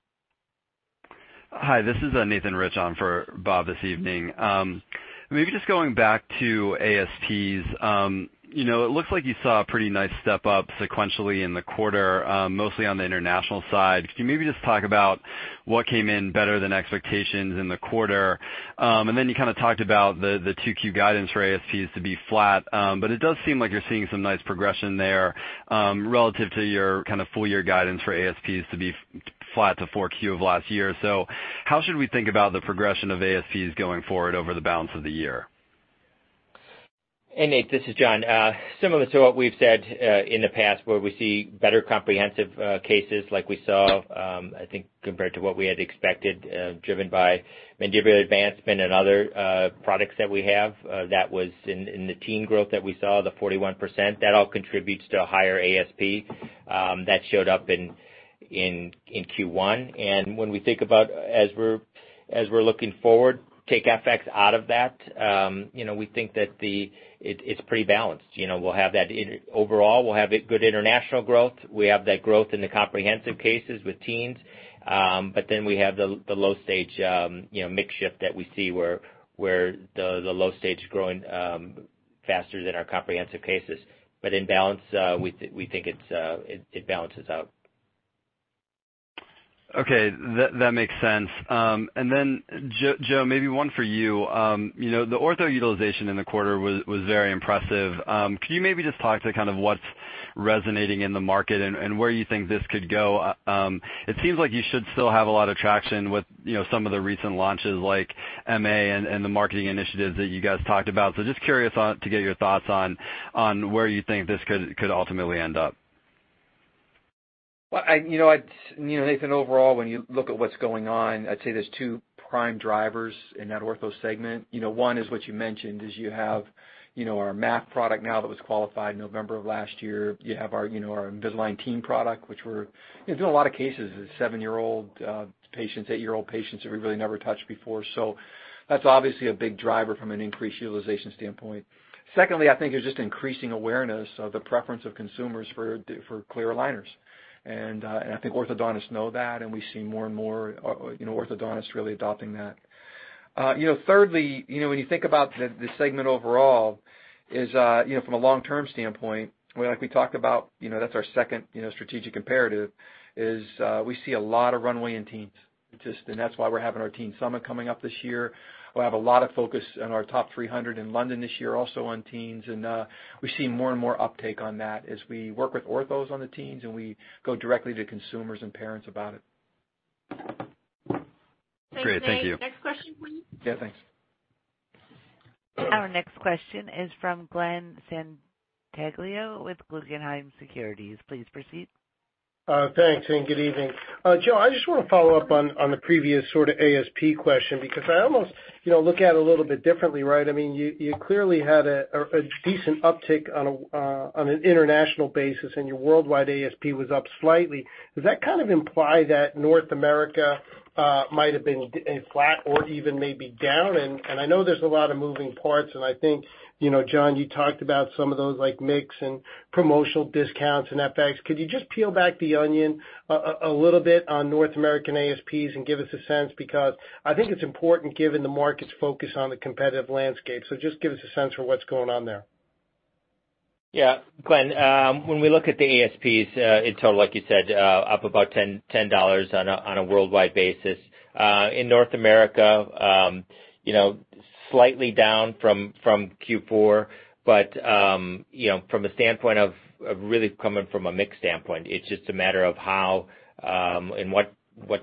Hi, this is Nathan Rich on for Bob this evening. Just going back to ASPs. It looks like you saw a pretty nice step up sequentially in the quarter, mostly on the international side. Could you maybe just talk about what came in better than expectations in the quarter? You kind of talked about the 2Q guidance for ASPs to be flat. It does seem like you're seeing some nice progression there, relative to your kind of full year guidance for ASPs to be flat to 4Q of last year. How should we think about the progression of ASPs going forward over the balance of the year? Hey, Nate, this is John. Similar to what we've said in the past where we see better comprehensive cases like we saw, I think compared to what we had expected, driven by mandibular advancement and other products that we have, that was in the teen growth that we saw, the 41%. That all contributes to a higher ASP that showed up in Q1. When we think about as we're looking forward, take FX out of that, we think that it's pretty balanced. Overall, we'll have good international growth. We have that growth in the comprehensive cases with teens. We have the low stage mix shift that we see where the low stage is growing faster than our comprehensive cases. In balance, we think it balances out. Okay, that makes sense. Joe, maybe one for you. The ortho utilization in the quarter was very impressive. Could you maybe just talk to kind of what's resonating in the market and where you think this could go? It seems like you should still have a lot of traction with some of the recent launches like MA and the marketing initiatives that you guys talked about. Just curious to get your thoughts on where you think this could ultimately end up. Well, Nathan, overall, when you look at what's going on, I'd say there are two prime drivers in that ortho segment. One is what you mentioned is you have our MA product now that was qualified November of last year. You have our Invisalign Teen product, which in a lot of cases, it's 7-year-old patients, 8-year-old patients that we really never touched before. That's obviously a big driver from an increased utilization standpoint. Secondly, I think it's just increasing awareness of the preference of consumers for clear aligners. I think orthodontists know that, and we see more and more orthodontists really adopting that. Thirdly, when you think about the segment overall, from a long-term standpoint, like we talked about, that's our second strategic imperative, we see a lot of runway in teens. That's why we're having our Invisalign Teen Summit coming up this year. We'll have a lot of focus on our top 300 in London this year also on teens, and we see more and more uptake on that as we work with orthos on the teens. We go directly to consumers and parents about it. Great. Thank you. Next question, please. Yeah, thanks. Our next question is from Glenn Santangelo with Guggenheim Securities. Please proceed. Thanks. Good evening. Joe, I just want to follow up on the previous sort of ASP question, because I almost look at it a little bit differently, right? You clearly had a decent uptick on an international basis, and your worldwide ASP was up slightly. Does that kind of imply that North America might have been flat or even maybe down? I know there's a lot of moving parts, and I think, John, you talked about some of those, like mix and promotional discounts and FX. Could you just peel back the onion a little bit on North American ASPs and give us a sense? Because I think it's important given the market's focus on the competitive landscape. Just give us a sense for what's going on there. Yeah. Glenn, when we look at the ASPs in total, like you said, up about $10 on a worldwide basis. In North America, slightly down from Q4. From a standpoint of really coming from a mix standpoint, it's just a matter of how, and what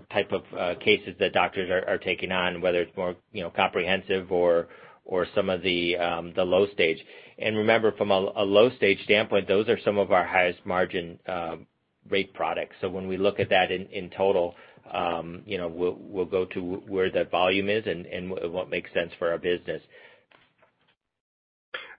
type of cases that doctors are taking on, whether it's more comprehensive or some of the low-stage. Remember, from a low-stage standpoint, those are some of our highest margin rate products. When we look at that in total, we'll go to where that volume is and what makes sense for our business.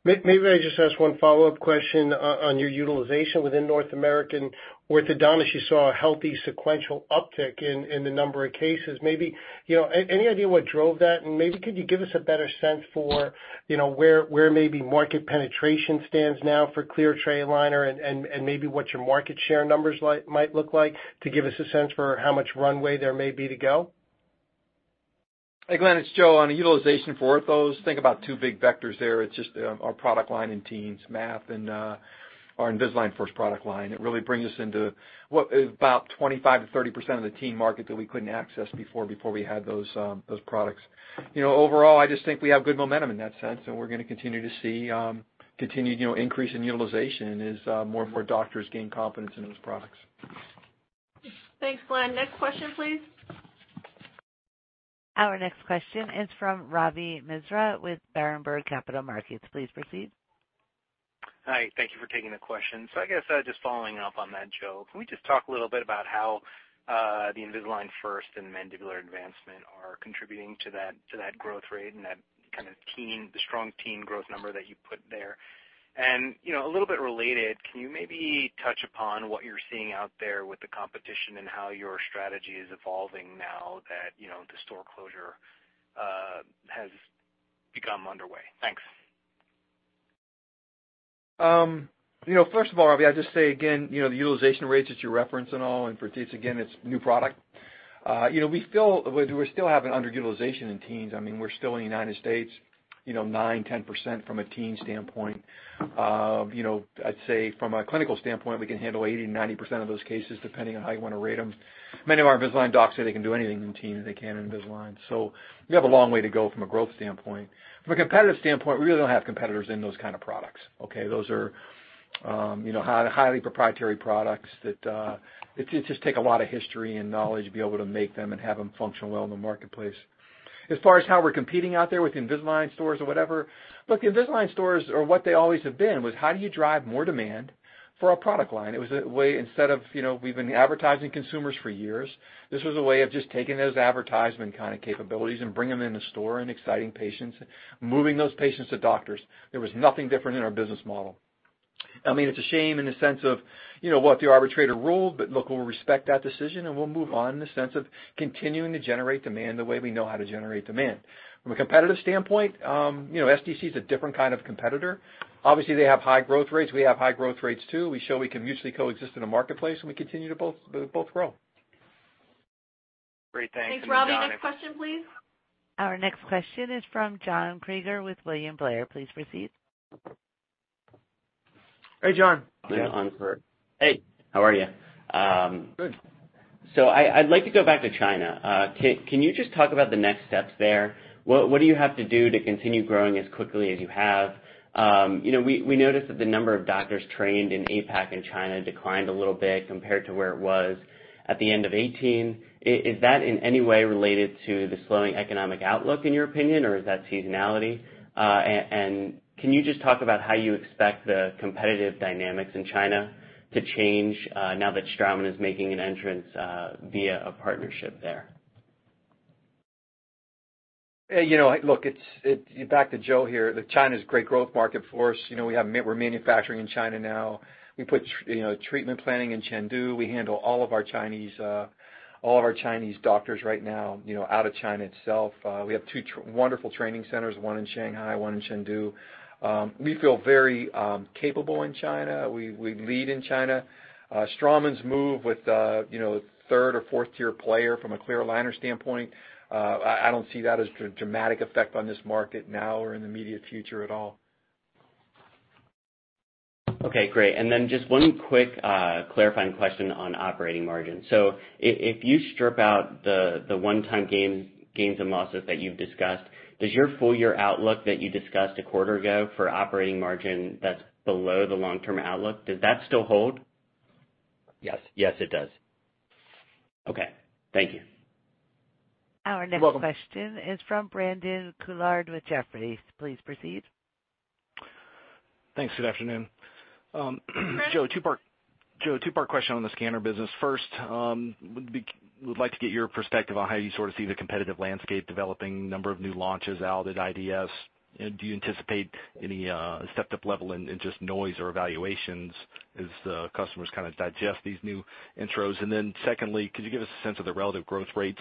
Maybe I just ask one follow-up question on your utilization within North American orthodontist, you saw a healthy sequential uptick in the number of cases. Any idea what drove that? Maybe could you give us a better sense for where maybe market penetration stands now for Clear Tray aligner and maybe what your market share numbers might look like to give us a sense for how much runway there may be to go? Hey, Glenn, it's Joe. On utilization for orthos, think about two big vectors there. It's just our product line in teens, MA, and our Invisalign First product line. It really brings us into what is about 25%-30% of the teen market that we couldn't access before we had those products. Overall, I just think we have good momentum in that sense. We're going to continue to see continued increase in utilization as more and more doctors gain confidence in those products. Thanks, Glenn. Next question, please. Our next question is from Ravi Misra with Berenberg Capital Markets. Please proceed. Hi, thank you for taking the question. I guess just following up on that, Joe, can we just talk a little bit about how the Invisalign First and Mandibular Advancement are contributing to that growth rate and that kind of teen, the strong teen growth number that you put there. A little bit related, can you maybe touch upon what you're seeing out there with the competition and how your strategy is evolving now that the store closure has become underway? Thanks. First of all, Ravi, I'll just say again, the utilization rates that you're referencing all, and for teeth, again, it's new product. We still have an underutilization in teens. We're still in the U.S., 9%, 10% from a teen standpoint. I'd say from a clinical standpoint, we can handle 80%-90% of those cases, depending on how you want to rate them. Many of our Invisalign docs say they can do anything in teens they can in Invisalign. We have a long way to go from a growth standpoint. From a competitive standpoint, we really don't have competitors in those kind of products. Okay? Those are highly proprietary products that just take a lot of history and knowledge to be able to make them and have them function well in the marketplace. As far as how we're competing out there with Invisalign stores or whatever, look, the Invisalign stores are what they always have been, was how do you drive more demand for a product line? It was a way instead of, we've been advertising consumers for years. This was a way of just taking those advertisement kind of capabilities and bringing them in the store and exciting patients, moving those patients to doctors. There was nothing different in our business model. It's a shame in the sense of what the arbitrator ruled, look, we'll respect that decision, and we'll move on in the sense of continuing to generate demand the way we know how to generate demand. From a competitive standpoint, SDC is a different kind of competitor. Obviously, they have high growth rates. We have high growth rates, too. We show we can mutually coexist in a marketplace, we continue to both grow. Great. Thanks. Thanks, Ravi. Next question, please. Our next question is from John Kreger with William Blair. Please proceed. Hey, John. John on for Hey, how are you? Good. I'd like to go back to China. Can you just talk about the next steps there? What do you have to do to continue growing as quickly as you have? We noticed that the number of doctors trained in APAC and China declined a little bit compared to where it was at the end of 2018. Is that in any way related to the slowing economic outlook, in your opinion, or is that seasonality? Can you just talk about how you expect the competitive dynamics in China to change, now that Straumann is making an entrance, via a partnership there? Look, back to Joe here. China's a great growth market for us. We're manufacturing in China now. We put treatment planning in Chengdu. We handle all of our Chinese doctors right now out of China itself. We have two wonderful training centers, one in Shanghai, one in Chengdu. We feel very capable in China. We lead in China. Straumann's move with a 3rd or 4th-tier player from a clear aligner standpoint, I don't see that as a dramatic effect on this market now or in the immediate future at all. Okay, great. Just one quick clarifying question on operating margin. If you strip out the one-time gains and losses that you've discussed, does your full-year outlook that you discussed a quarter ago for operating margin that's below the long-term outlook, does that still hold? Yes. Yes, it does. Okay. Thank you. You're welcome. Our next question is from Brandon Couillard with Jefferies. Please proceed. Thanks. Good afternoon. Joe, two-part question on the scanner business. First, would like to get your perspective on how you sort of see the competitive landscape developing, number of new launches out at IDS. Do you anticipate any stepped-up level in just noise or evaluations as the customers kind of digest these new intros? Secondly, could you give us a sense of the relative growth rates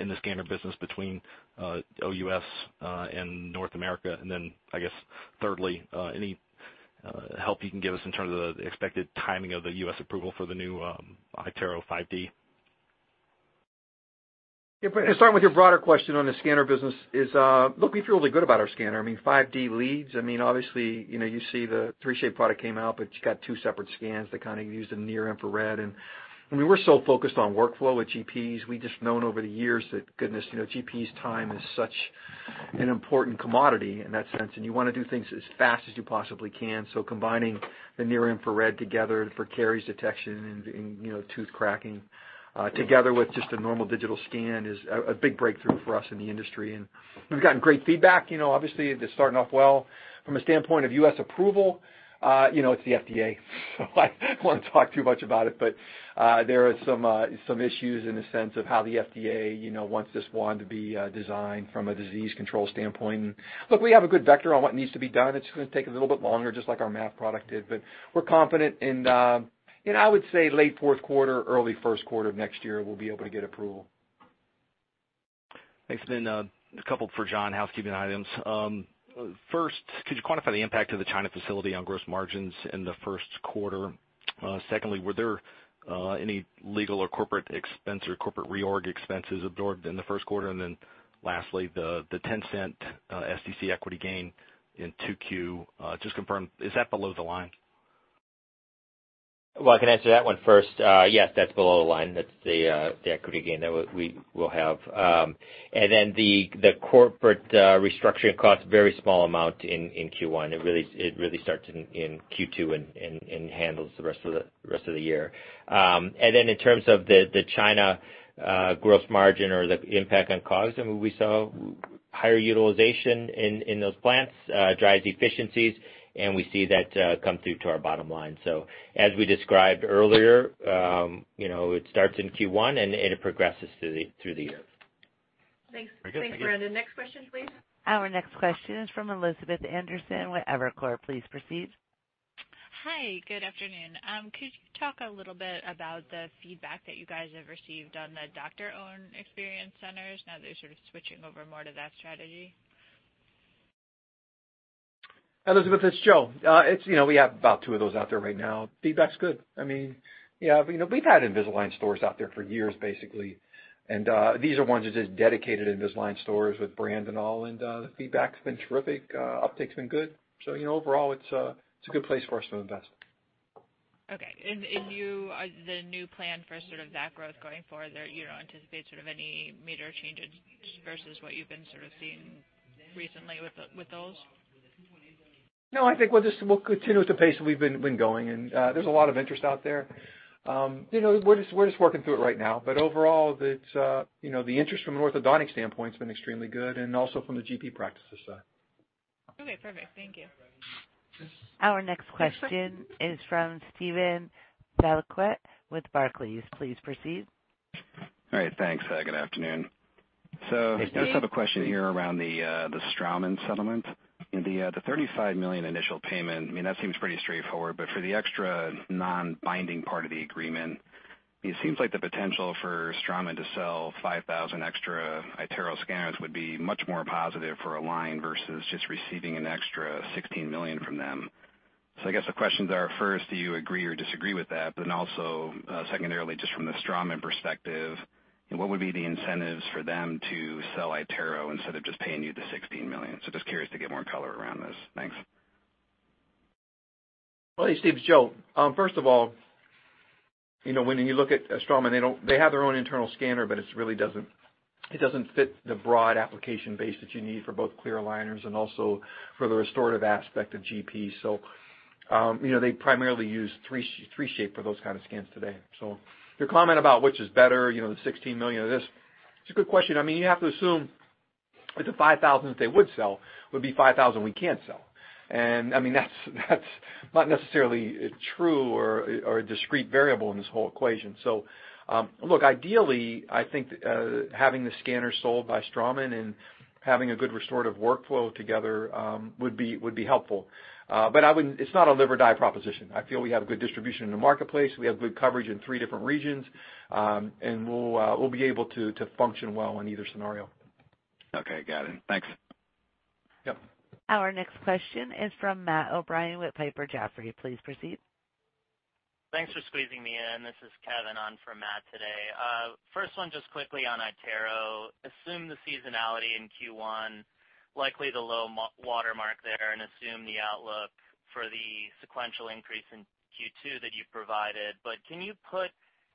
in the scanner business between OUS and North America? Thirdly, any help you can give us in terms of the expected timing of the U.S. approval for the new iTero 5D? Yeah. Starting with your broader question on the scanner business is, look, we feel really good about our scanner. I mean, 5D leads. Obviously, you see the 3Shape product came out, but you got two separate scans that kind of use the near-infrared. We were so focused on workflow with GPs, we just known over the years that, goodness, GP's time is such an important commodity in that sense, and you want to do things as fast as you possibly can. Combining the near-infrared together for caries detection and tooth cracking, together with just a normal digital scan is a big breakthrough for us in the industry. We've gotten great feedback. Obviously, it's starting off well. From a standpoint of U.S. approval, it's the FDA so I don't want to talk too much about it, but there are some issues in the sense of how the FDA wants this wand to be designed from a disease control standpoint. Look, we have a good vector on what needs to be done. It's just going to take a little bit longer, just like our MA product did. We're confident in, I would say, late fourth quarter, early first quarter of next year, we'll be able to get approval. Thanks. A couple for John, housekeeping items. First, could you quantify the impact of the China facility on gross margins in the first quarter? Secondly, were there any legal or corporate expense or corporate reorg expenses absorbed in the first quarter? Lastly, the $0.10 SDC equity gain in 2Q, just confirm, is that below the line? I can answer that one first. Yes, that is below the line. That is the equity gain that we will have. The corporate restructuring costs, very small amount in Q1. It really starts in Q2 and handles the rest of the year. In terms of the China gross margin or the impact on COGS, I mean, we saw higher utilization in those plants, drives efficiencies, and we see that come through to our bottom line. As we described earlier, it starts in Q1 and it progresses through the year. Thanks, Brandon. Next question, please. Our next question is from Elizabeth Anderson with Evercore. Please proceed. Hi, good afternoon. Could you talk a little bit about the feedback that you guys have received on the doctor-owned experience centers now that you are sort of switching over more to that strategy? Elizabeth, it's Joe. We have about two of those out there right now. Feedback's good. I mean, we've had Invisalign stores out there for years, basically. These are ones that are just dedicated Invisalign stores with brand and all, and the feedback's been terrific. Uptake's been good. Overall, it's a good place for us to invest. Okay. The new plan for sort of that growth going forward there, you don't anticipate any major changes versus what you've been sort of seeing recently with those? No, I think we'll continue with the pace that we've been going, and there's a lot of interest out there. We're just working through it right now. Overall, the interest from an orthodontic standpoint has been extremely good, and also from the GP practices side. Okay, perfect. Thank you. Our next question is from Steven Valiquette with Barclays. Please proceed. All right, thanks. Good afternoon. Hey, Steve. I just have a question here around the Straumann settlement. The $35 million initial payment, I mean, that seems pretty straightforward, but for the extra non-binding part of the agreement, it seems like the potential for Straumann to sell 5,000 extra iTero scanners would be much more positive for Align versus just receiving an extra $16 million from them. I guess the questions are, first, do you agree or disagree with that? Also, secondarily, just from the Straumann perspective, what would be the incentives for them to sell iTero instead of just paying you the $16 million? Just curious to get more color around this. Thanks. Well, Steve, it's Joe. First of all, when you look at Straumann, they have their own internal scanner, but it doesn't fit the broad application base that you need for both clear aligners and also for the restorative aspect of GP. They primarily use 3Shape for those kind of scans today. Your comment about which is better, the 16 million or this, it's a good question. You have to assume that the 5,000 that they would sell would be 5,000 we can't sell. I mean, that's not necessarily true or a discrete variable in this whole equation. Look, ideally, I think having the scanner sold by Straumann and having a good restorative workflow together would be helpful. It's not a live or die proposition. I feel we have good distribution in the marketplace. We have good coverage in three different regions. We'll be able to function well in either scenario. Okay, got it. Thanks. Yep. Our next question is from Matthew O'Brien with Piper Jaffray. Please proceed. Thanks for squeezing me in. This is Kevin on for Matt today. First one, just quickly on iTero. Assume the seasonality in Q1, likely the low watermark there, and assume the outlook for the sequential increase in Q2 that you've provided. Can you put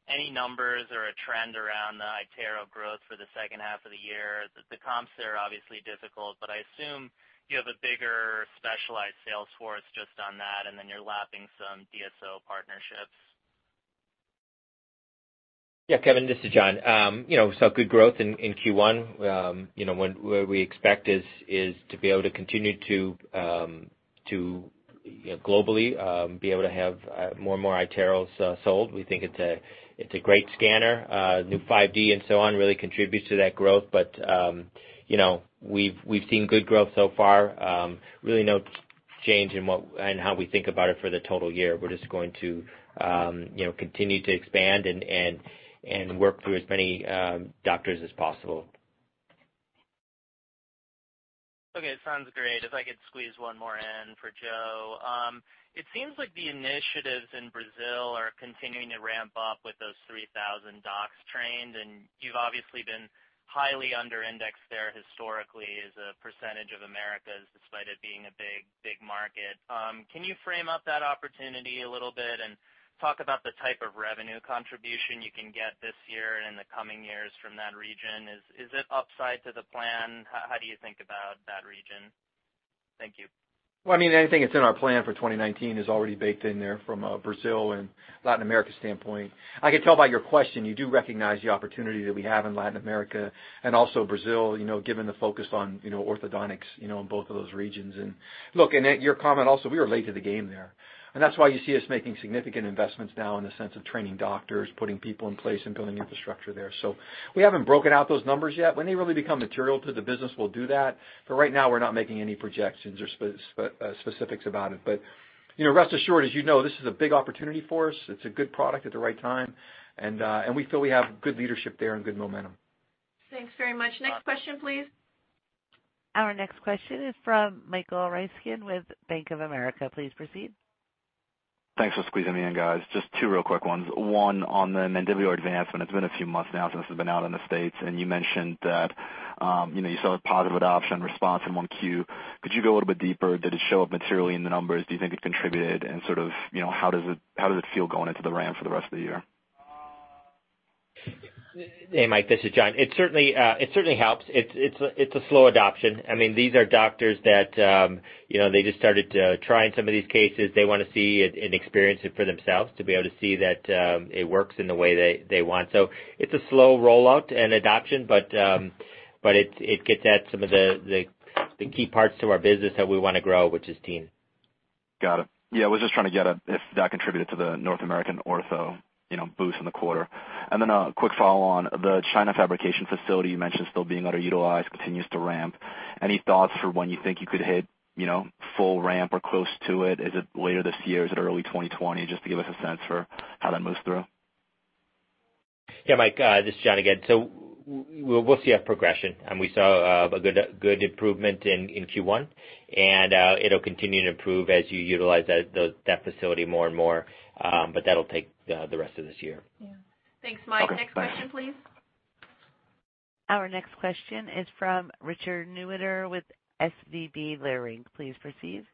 any numbers or a trend around the iTero growth for the second half of the year? The comps there are obviously difficult, but I assume you have a bigger specialized sales force just on that, and then you're lapping some DSO partnerships. Yeah, Kevin, this is John. We saw good growth in Q1. What we expect is to be able to continue to globally be able to have more and more iTeros sold. We think it's a great scanner. New 5D and so on really contributes to that growth. We've seen good growth so far. Really no change in how we think about it for the total year. We're just going to continue to expand and work through as many doctors as possible. Okay. Sounds great. If I could squeeze one more in for Joe. It seems like the initiatives in Brazil are continuing to ramp up with those 3,000 docs trained, and you've obviously been highly under indexed there historically as a percentage of Americas, despite it being a big market. Can you frame up that opportunity a little bit and talk about the type of revenue contribution you can get this year and in the coming years from that region? Is it upside to the plan? How do you think about that region? Thank you. Well, anything that's in our plan for 2019 is already baked in there from a Brazil and Latin America standpoint. I can tell by your question, you do recognize the opportunity that we have in Latin America and also Brazil, given the focus on orthodontics in both of those regions. Look, and at your comment also, we were late to the game there. That's why you see us making significant investments now in the sense of training doctors, putting people in place, and building infrastructure there. We haven't broken out those numbers yet. When they really become material to the business, we'll do that, but right now, we're not making any projections or specifics about it. Rest assured, as you know, this is a big opportunity for us. It's a good product at the right time, and we feel we have good leadership there and good momentum. Thanks very much. Next question, please. Our next question is from Michael Ryskin with Bank of America. Please proceed. Thanks for squeezing me in, guys. Just two real quick ones. One on the Mandibular Advancement. It's been a few months now since it's been out in the U.S., and you mentioned that you saw a positive adoption response in one Q. Could you go a little bit deeper? Did it show up materially in the numbers? Do you think it contributed and how does it feel going into the ramp for the rest of the year? Hey, Mike. This is John. It certainly helps. It's a slow adoption. These are doctors that just started trying some of these cases. They want to see it and experience it for themselves to be able to see that it works in the way they want. It's a slow rollout and adoption, but it gets at some of the key parts to our business that we want to grow, which is Invisalign Teen. Got it. I was just trying to get if that contributed to the North American ortho boost in the quarter. Then a quick follow on the China fabrication facility you mentioned still being underutilized, continues to ramp. Any thoughts for when you think you could hit full ramp or close to it? Is it later this year? Is it early 2020? Just to give us a sense for how that moves through. Mike, this is John again. We'll see a progression and we saw a good improvement in Q1. It'll continue to improve as you utilize that facility more and more. That'll take the rest of this year. Yeah. Thanks, Mike. Next question, please. Our next question is from Richard Newitter with SVB Leerink. Please proceed.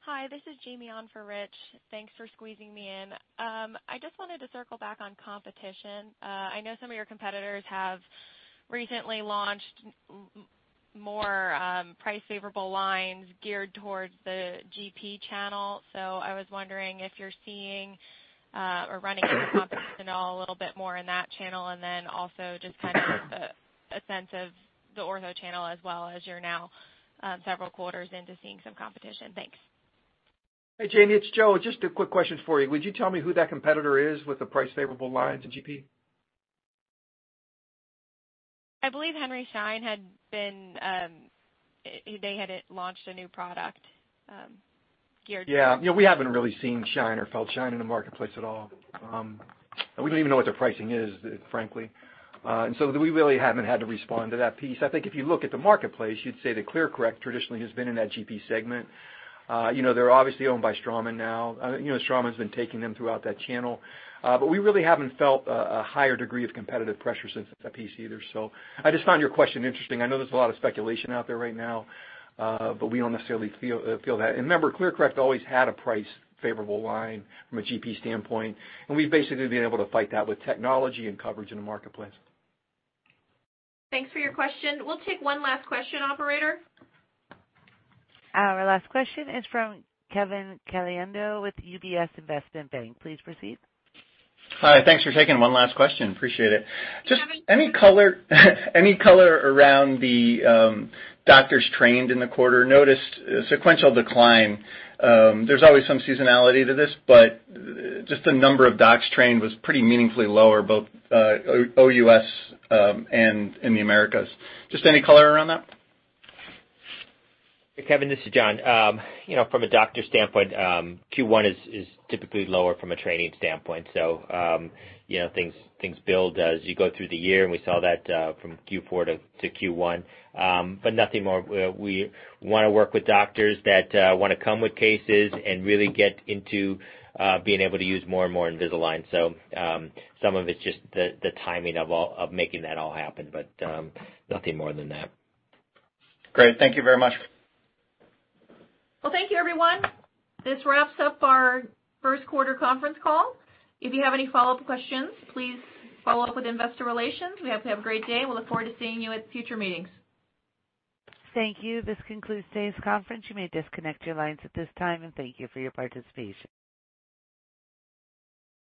Hi, this is Jamie on for Rich. Thanks for squeezing me in. I just wanted to circle back on competition. I know some of your competitors have recently launched more price favorable lines geared towards the GP channel. I was wondering if you're seeing or running into competition a little bit more in that channel, also just kind of a sense of the ortho channel as well as you're now several quarters into seeing some competition. Thanks. Hey, Jamie, it's Joe. Just a quick question for you. Would you tell me who that competitor is with the price favorable lines in GP? I believe Henry Schein. They had launched a new product geared- Yeah. We haven't really seen Schein or felt Schein in the marketplace at all. We don't even know what their pricing is, frankly. We really haven't had to respond to that piece. I think if you look at the marketplace, you'd say that ClearCorrect traditionally has been in that GP segment. They're obviously owned by Straumann now. Straumann's been taking them throughout that channel. We really haven't felt a higher degree of competitive pressure since that piece either. I just found your question interesting. I know there's a lot of speculation out there right now. We don't necessarily feel that. Remember, ClearCorrect always had a price favorable line from a GP standpoint, and we've basically been able to fight that with technology and coverage in the marketplace. Thanks for your question. We'll take one last question, operator. Our last question is from Kevin Caliendo with UBS Investment Bank. Please proceed. Hi. Thanks for taking one last question. Appreciate it. Kevin- Just any color around the doctors trained in the quarter. Noticed a sequential decline. There is always some seasonality to this, just the number of docs trained was pretty meaningfully lower, both OUS and in the Americas. Just any color around that? Hey, Kevin, this is John. From a doctor standpoint, Q1 is typically lower from a training standpoint. Things build as you go through the year, and we saw that from Q4 to Q1. Nothing more. We want to work with doctors that want to come with cases and really get into being able to use more and more Invisalign. Some of it is just the timing of making that all happen, but nothing more than that. Great. Thank you very much. Well, thank you, everyone. This wraps up our first quarter conference call. If you have any follow-up questions, please follow up with investor relations. We hope you have a great day. We look forward to seeing you at future meetings. Thank you. This concludes today's conference. You may disconnect your lines at this time, and thank you for your participation.